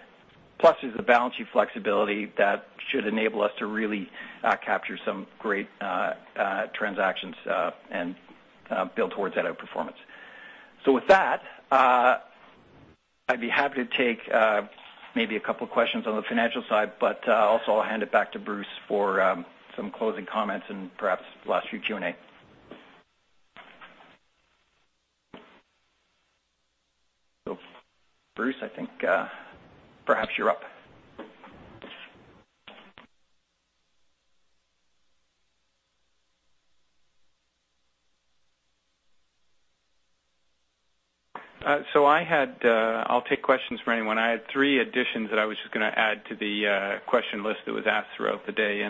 There's the balance sheet flexibility that should enable us to really capture some great transactions and build towards that outperformance. With that, I'd be happy to take maybe a couple of questions on the financial side, but also I'll hand it back to Bruce for some closing comments and perhaps the last few Q&A. Bruce, I think perhaps you're up. I'll take questions from anyone. I had three additions that I was just going to add to the question list that was asked throughout the day,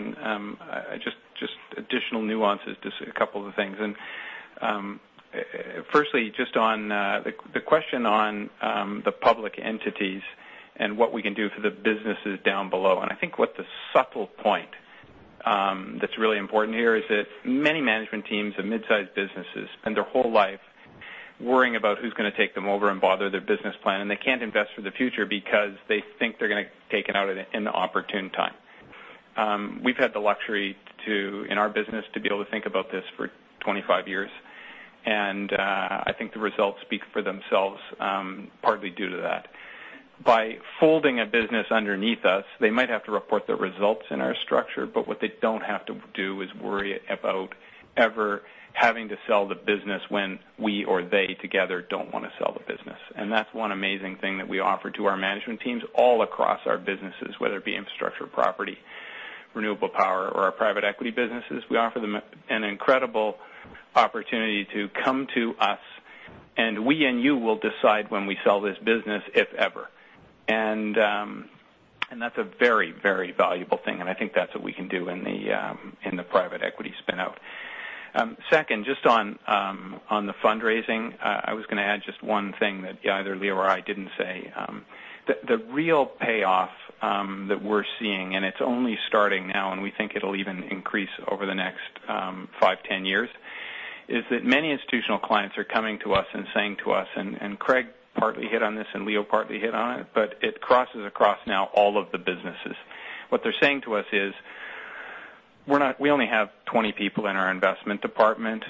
just additional nuances, just a couple of things. Firstly, just on the question on the public entities and what we can do for the businesses down below. I think what the subtle point that's really important here is that many management teams of mid-sized businesses spend their whole life worrying about who's going to take them over and bother their business plan. They can't invest for the future because they think they're going to be taken out in the opportune time. We've had the luxury, in our business, to be able to think about this for 25 years. I think the results speak for themselves partly due to that. By folding a business underneath us, they might have to report the results in our structure, but what they don't have to do is worry about ever having to sell the business when we or they together don't want to sell the business. That's one amazing thing that we offer to our management teams all across our businesses, whether it be infrastructure, property, renewable power, or our private equity businesses. We offer them an incredible opportunity to come to us, and we, and you will decide when we sell this business, if ever. That's a very, very valuable thing, and I think that's what we can do in the private equity spin-out. Second, just on the fundraising, I was going to add just one thing that either Leo or I didn't say. The real payoff that we're seeing, it's only starting now, we think it'll even increase over the next 5, 10 years, is that many institutional clients are coming to us and saying to us, Craig partly hit on this, Leo partly hit on it, but it crosses across now all of the businesses. What they're saying to us is, "We only have 20 people in our investment department.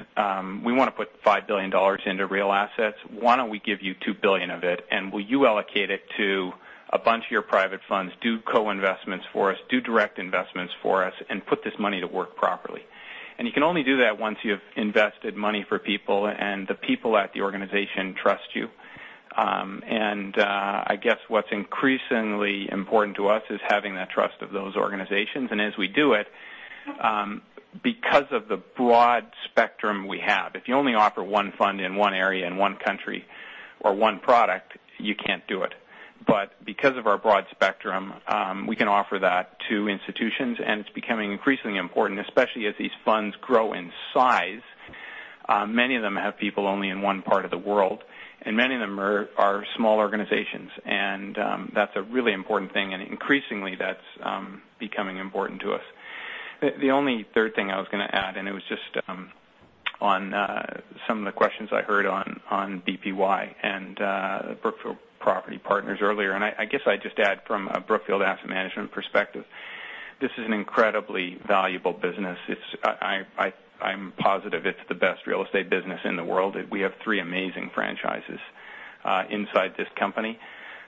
We want to put $5 billion into real assets. Why don't we give you $2 billion of it? Will you allocate it to a bunch of your private funds? Do co-investments for us, do direct investments for us, and put this money to work properly." You can only do that once you've invested money for people, and the people at the organization trust you. I guess what's increasingly important to us is having that trust of those organizations. As we do it, because of the broad spectrum we have, if you only offer one fund in one area in one country or one product, you can't do it. Because of our broad spectrum, we can offer that to institutions. It's becoming increasingly important, especially as these funds grow in size. Many of them have people only in one part of the world, and many of them are small organizations. That's a really important thing, and increasingly that's becoming important to us. The only third thing I was going to add, it was just on some of the questions I heard on BPY and Brookfield Property Partners earlier. I guess I'd just add from a Brookfield Asset Management perspective, this is an incredibly valuable business. I'm positive it's the best real estate business in the world. We have three amazing franchises inside this company.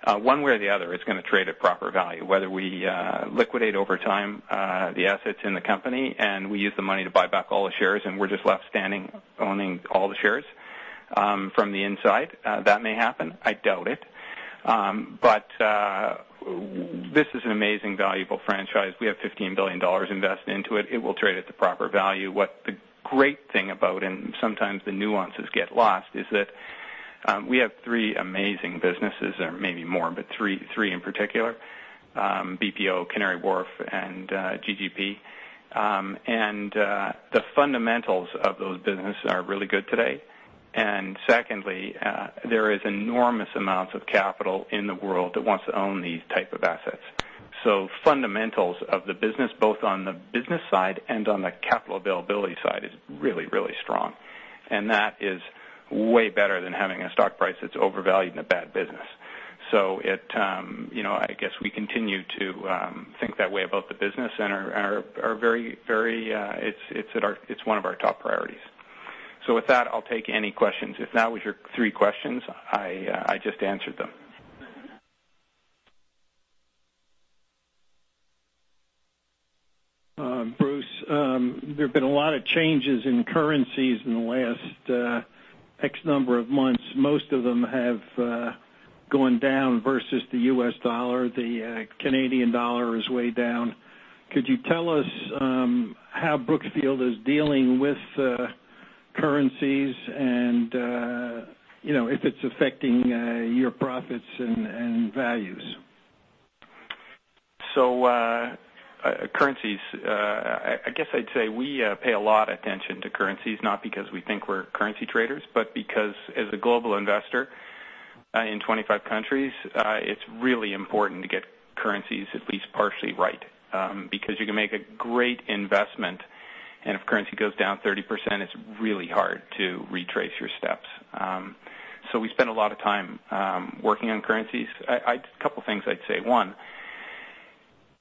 One way or the other, it's going to trade at proper value. Whether we liquidate over time the assets in the company, and we use the money to buy back all the shares, and we're just left standing, owning all the shares from the inside. That may happen. I doubt it. This is an amazing, valuable franchise. We have $15 billion invested into it. It will trade at the proper value. What the great thing about, sometimes the nuances get lost, is that we have three amazing businesses, or maybe more, but three in particular, BPO, Canary Wharf, and GGP. The fundamentals of those businesses are really good today. Secondly, there is enormous amounts of capital in the world that wants to own these type of assets. Fundamentals of the business, both on the business side and on the capital availability side, is really, really strong. That is way better than having a stock price that's overvalued in a bad business. I guess we continue to think that way about the business, and it's one of our top priorities. With that, I'll take any questions. If that was your three questions, I just answered them. Bruce, there have been a lot of changes in currencies in the last X number of months. Most of them have gone down versus the US dollar. The Canadian dollar is way down. Could you tell us how Brookfield is dealing with currencies and if it's affecting your profits and values? Currencies. I guess I'd say we pay a lot attention to currencies, not because we think we're currency traders, but because as a global investor in 25 countries, it's really important to get currencies at least partially right. Because you can make a great investment, and if currency goes down 30%, it's really hard to retrace your steps. We spend a lot of time working on currencies. A couple of things I'd say.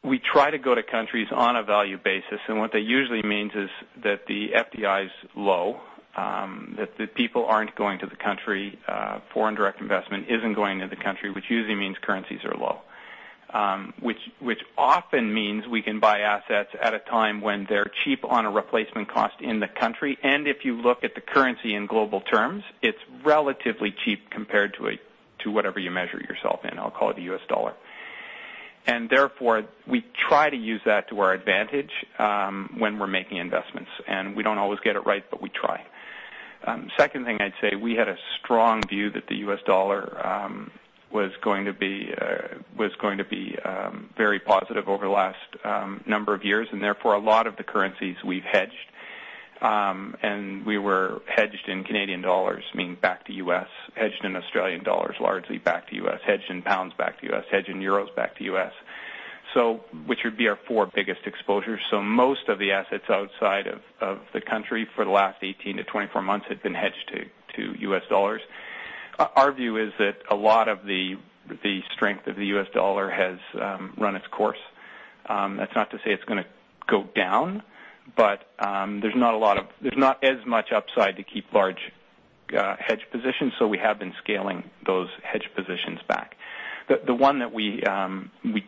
One, we try to go to countries on a value basis, and what they usually means is that the FDI is low, that the people aren't going to the country. Foreign direct investment isn't going to the country, which usually means currencies are low. Which often means we can buy assets at a time when they're cheap on a replacement cost in the country. If you look at the currency in global terms, it's relatively cheap compared to whatever you measure yourself in. I'll call it the US dollar. Therefore, we try to use that to our advantage when we're making investments. We don't always get it right, but we try. Second thing I'd say, we had a strong view that the US dollar was going to be very positive over the last number of years, and therefore, a lot of the currencies we've hedged. We were hedged in Canadian dollars, meaning back to US. Hedged in Australian dollars, largely back to US. Hedged in pounds back to US. Hedged in euros back to US. Which would be our four biggest exposures. Most of the assets outside of the country for the last 18 to 24 months have been hedged to US dollars. Our view is that a lot of the strength of the US dollar has run its course. That's not to say it's going to go down, but there's not as much upside to keep large hedge positions. We have been scaling those hedge positions back. The one that we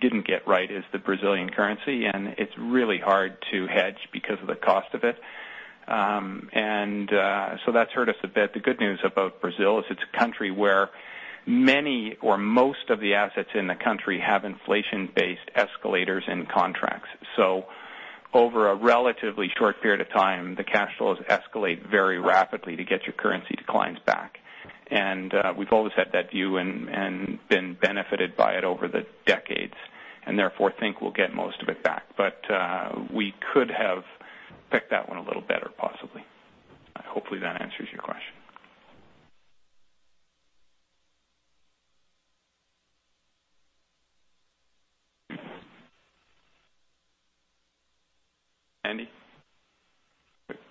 didn't get right is the Brazilian currency, and it's really hard to hedge because of the cost of it. That's hurt us a bit. The good news about Brazil is it's a country where many or most of the assets in the country have inflation-based escalators and contracts. Over a relatively short period of time, the cash flows escalate very rapidly to get your currency declines back. We've always had that view and been benefited by it over the decades and therefore think we'll get most of it back. We could have picked that one a little better, possibly. Hopefully, that answers your question. Andy?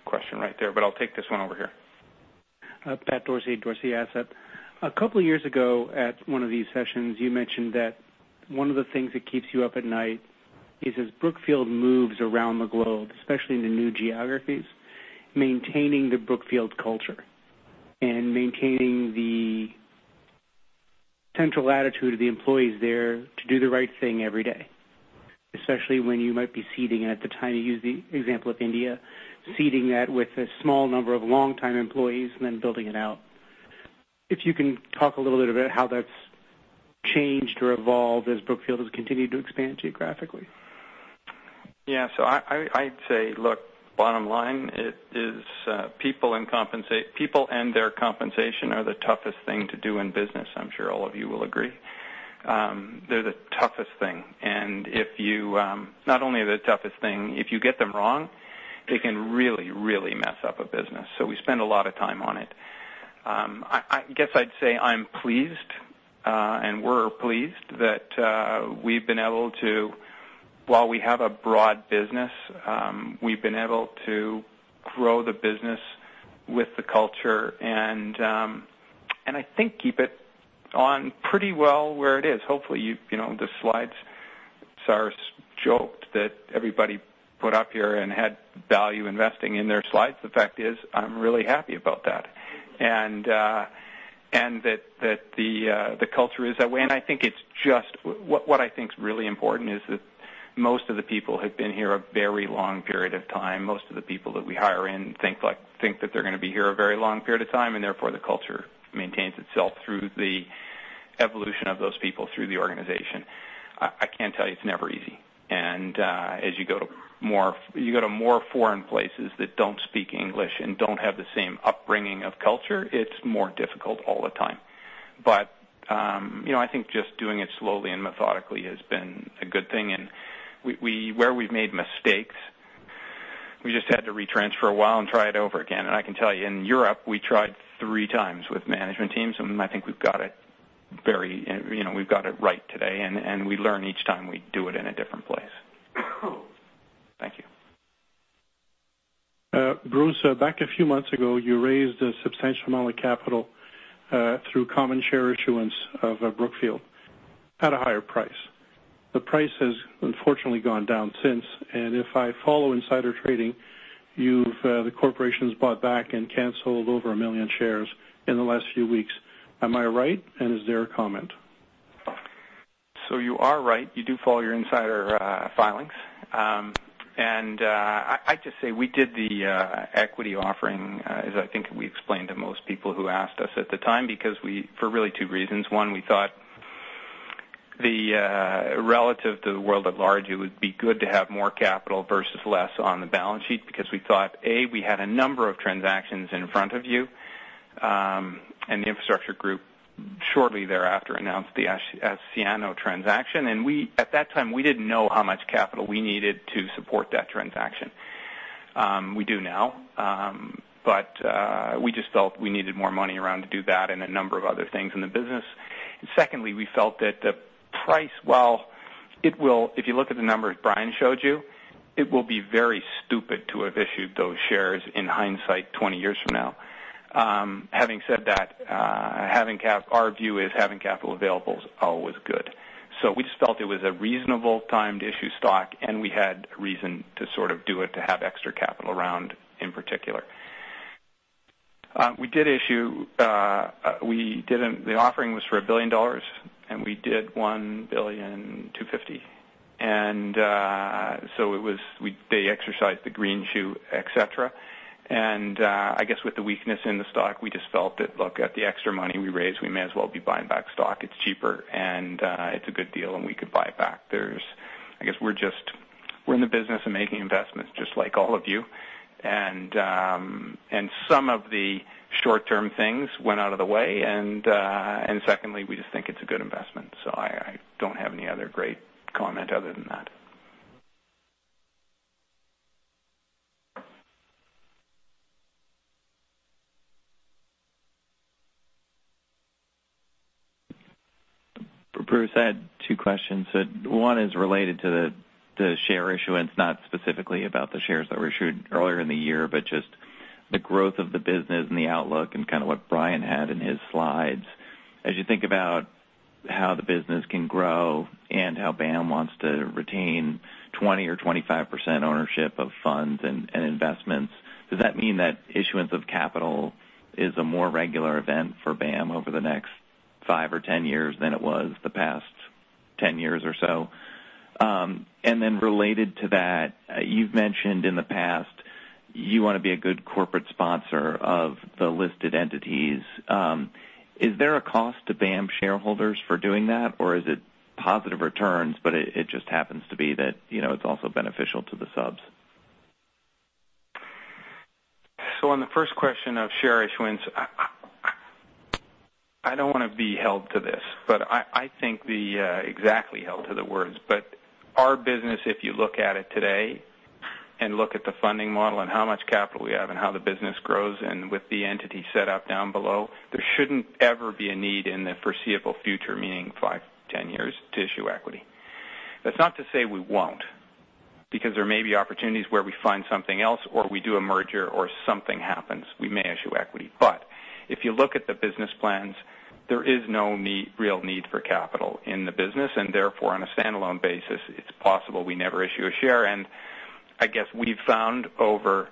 Question right there, but I'll take this one over here. Pat Dorsey, Dorsey Asset. A couple of years ago, at one of these sessions, you mentioned that one of the things that keeps you up at night is, as Brookfield moves around the globe, especially in the new geographies, maintaining the Brookfield culture and maintaining the central attitude of the employees there to do the right thing every day, especially when you might be seeding. At the time, you used the example of India, seeding that with a small number of longtime employees and then building it out. If you can talk a little bit about how that's changed or evolved as Brookfield has continued to expand geographically. Yeah. I'd say, look, bottom line, it is people and their compensation are the toughest thing to do in business. I'm sure all of you will agree. They're the toughest thing. Not only are they the toughest thing, if you get them wrong, they can really, really mess up a business. We spend a lot of time on it. I guess I'd say I'm pleased, and we're pleased that while we have a broad business, we've been able to grow the business with the culture and I think keep it on pretty well where it is. Hopefully, the slides, Cyrus joked that everybody put up here and had value investing in their slides. The fact is, I'm really happy about that. The culture is that way. What I think is really important is that most of the people have been here a very long period of time. Most of the people that we hire in think that they're going to be here a very long period of time, and therefore, the culture maintains itself through the evolution of those people through the organization. I can tell you, it's never easy. As you go to more foreign places that don't speak English and don't have the same upbringing of culture, it's more difficult all the time. I think just doing it slowly and methodically has been a good thing. Where we've made mistakes, we just had to retrench for a while and try it over again. I can tell you, in Europe, we tried three times with management teams. I think we've got it right today. We learn each time we do it in a different place. Thank you. Bruce, back a few months ago, you raised a substantial amount of capital through common share issuance of Brookfield at a higher price. The price has unfortunately gone down since. If I follow insider trading, the corporation's bought back and canceled over 1 million shares in the last few weeks. Am I right? Is there a comment? You are right. You do follow your insider filings. I'd just say we did the equity offering, as I think we explained to most people who asked us at the time, because for really two reasons. One, we thought relative to the world at large, it would be good to have more capital versus less on the balance sheet because we thought, A, we had a number of transactions in front of you. The infrastructure group shortly thereafter announced the Asciano transaction. At that time, we didn't know how much capital we needed to support that transaction. We do now. We just felt we needed more money around to do that and a number of other things in the business. Secondly, we felt that the price, if you look at the numbers Brian showed you, it will be very stupid to have issued those shares in hindsight 20 years from now. Having said that, our view is having capital available is always good. We just felt it was a reasonable time to issue stock, and we had reason to do it, to have extra capital around, in particular. The offering was for $1 billion, and we did $1.250 billion. They exercised the greenshoe, et cetera. I guess with the weakness in the stock, we just felt that, look, at the extra money we raised, we may as well be buying back stock. It's cheaper, and it's a good deal, and we could buy it back. I guess we're in the business of making investments just like all of you. Some of the short-term things went out of the way. Secondly, we just think it's a good investment. I don't have any other great comment other than that. Bruce, I had two questions. One is related to the share issuance, not specifically about the shares that were issued earlier in the year, but just the growth of the business and the outlook and kind of what Brian had in his slides. As you think about how the business can grow and how BAM wants to retain 20% or 25% ownership of funds and investments, does that mean that issuance of capital is a more regular event for BAM over the next five or 10 years than it was the past 10 years or so? Then related to that, you've mentioned in the past, you want to be a good corporate sponsor of the listed entities. Is there a cost to BAM shareholders for doing that or is it positive returns but it just happens to be that it's also beneficial to the subs? On the first question of share issuance, I don't want to be held to this, exactly held to the words, but our business, if you look at it today and look at the funding model and how much capital we have and how the business grows and with the entity set up down below, there shouldn't ever be a need in the foreseeable future, meaning five to 10 years, to issue equity. That's not to say we won't because there may be opportunities where we find something else or we do a merger or something happens. We may issue equity. If you look at the business plans, there is no real need for capital in the business and therefore on a standalone basis, it's possible we never issue a share. I guess we've found over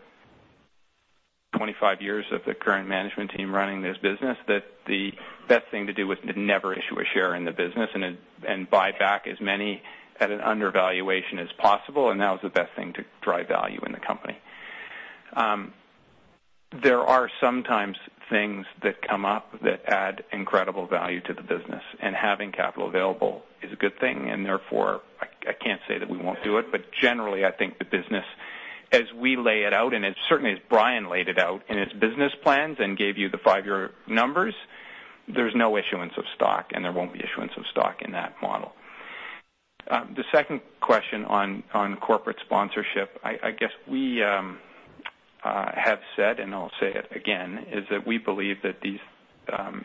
25 years of the current management team running this business that the best thing to do is to never issue a share in the business and buy back as many at an undervaluation as possible, and that was the best thing to drive value in the company. There are sometimes things that come up that add incredible value to the business and having capital available is a good thing and therefore I can't say that we won't do it, but generally I think the business as we lay it out and certainly as Brian laid it out in his business plans and gave you the five-year numbers, there's no issuance of stock and there won't be issuance of stock in that model. The second question on corporate sponsorship. I guess we have said, I will say it again, is that we believe that these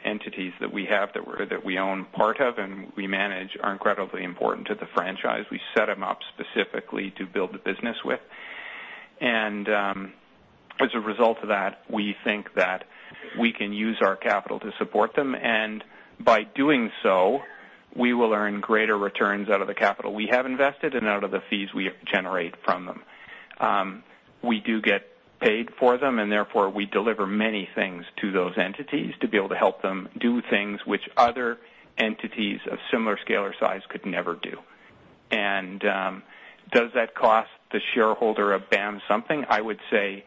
entities that we have that we own part of and we manage are incredibly important to the franchise. We set them up specifically to build the business with. As a result of that, we think that we can use our capital to support them and by doing so, we will earn greater returns out of the capital we have invested and out of the fees we generate from them. We do get paid for them and therefore we deliver many things to those entities to be able to help them do things which other entities of similar scale or size could never do. Does that cost the shareholder of BAM something? I would say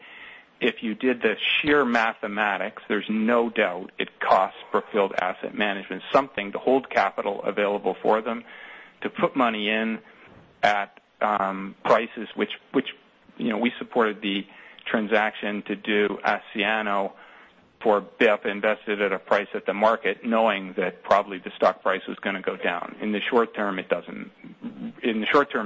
if you did the sheer mathematics, there is no doubt it costs Brookfield Asset Management something to hold capital available for them to put money in at prices which we supported the transaction to do Asciano for BIP invested at a price at the market knowing that probably the stock price was going to go down. In the short term,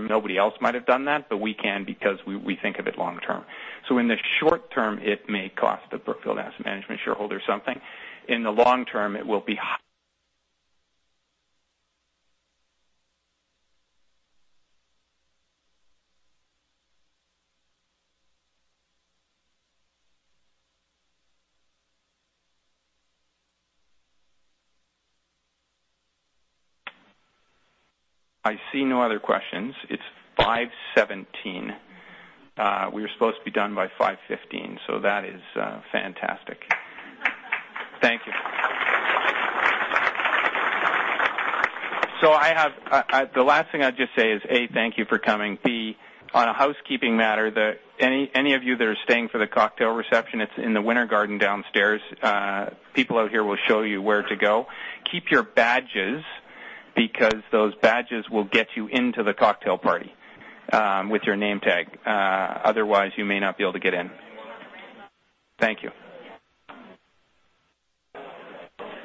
nobody else might have done that, but we can because we think of it long term. In the short term, it may cost the Brookfield Asset Management shareholder something. In the long term, it will be high. I see no other questions. It is 5:17 P.M. We were supposed to be done by 5:15 P.M. That is fantastic. Thank you. The last thing I would just say is A, thank you for coming. B, on a housekeeping matter, any of you that are staying for the cocktail reception it is in the Winter Garden downstairs. People out here will show you where to go. Keep your badges because those badges will get you into the cocktail party with your name tag. Otherwise you may not be able to get in. Thank you.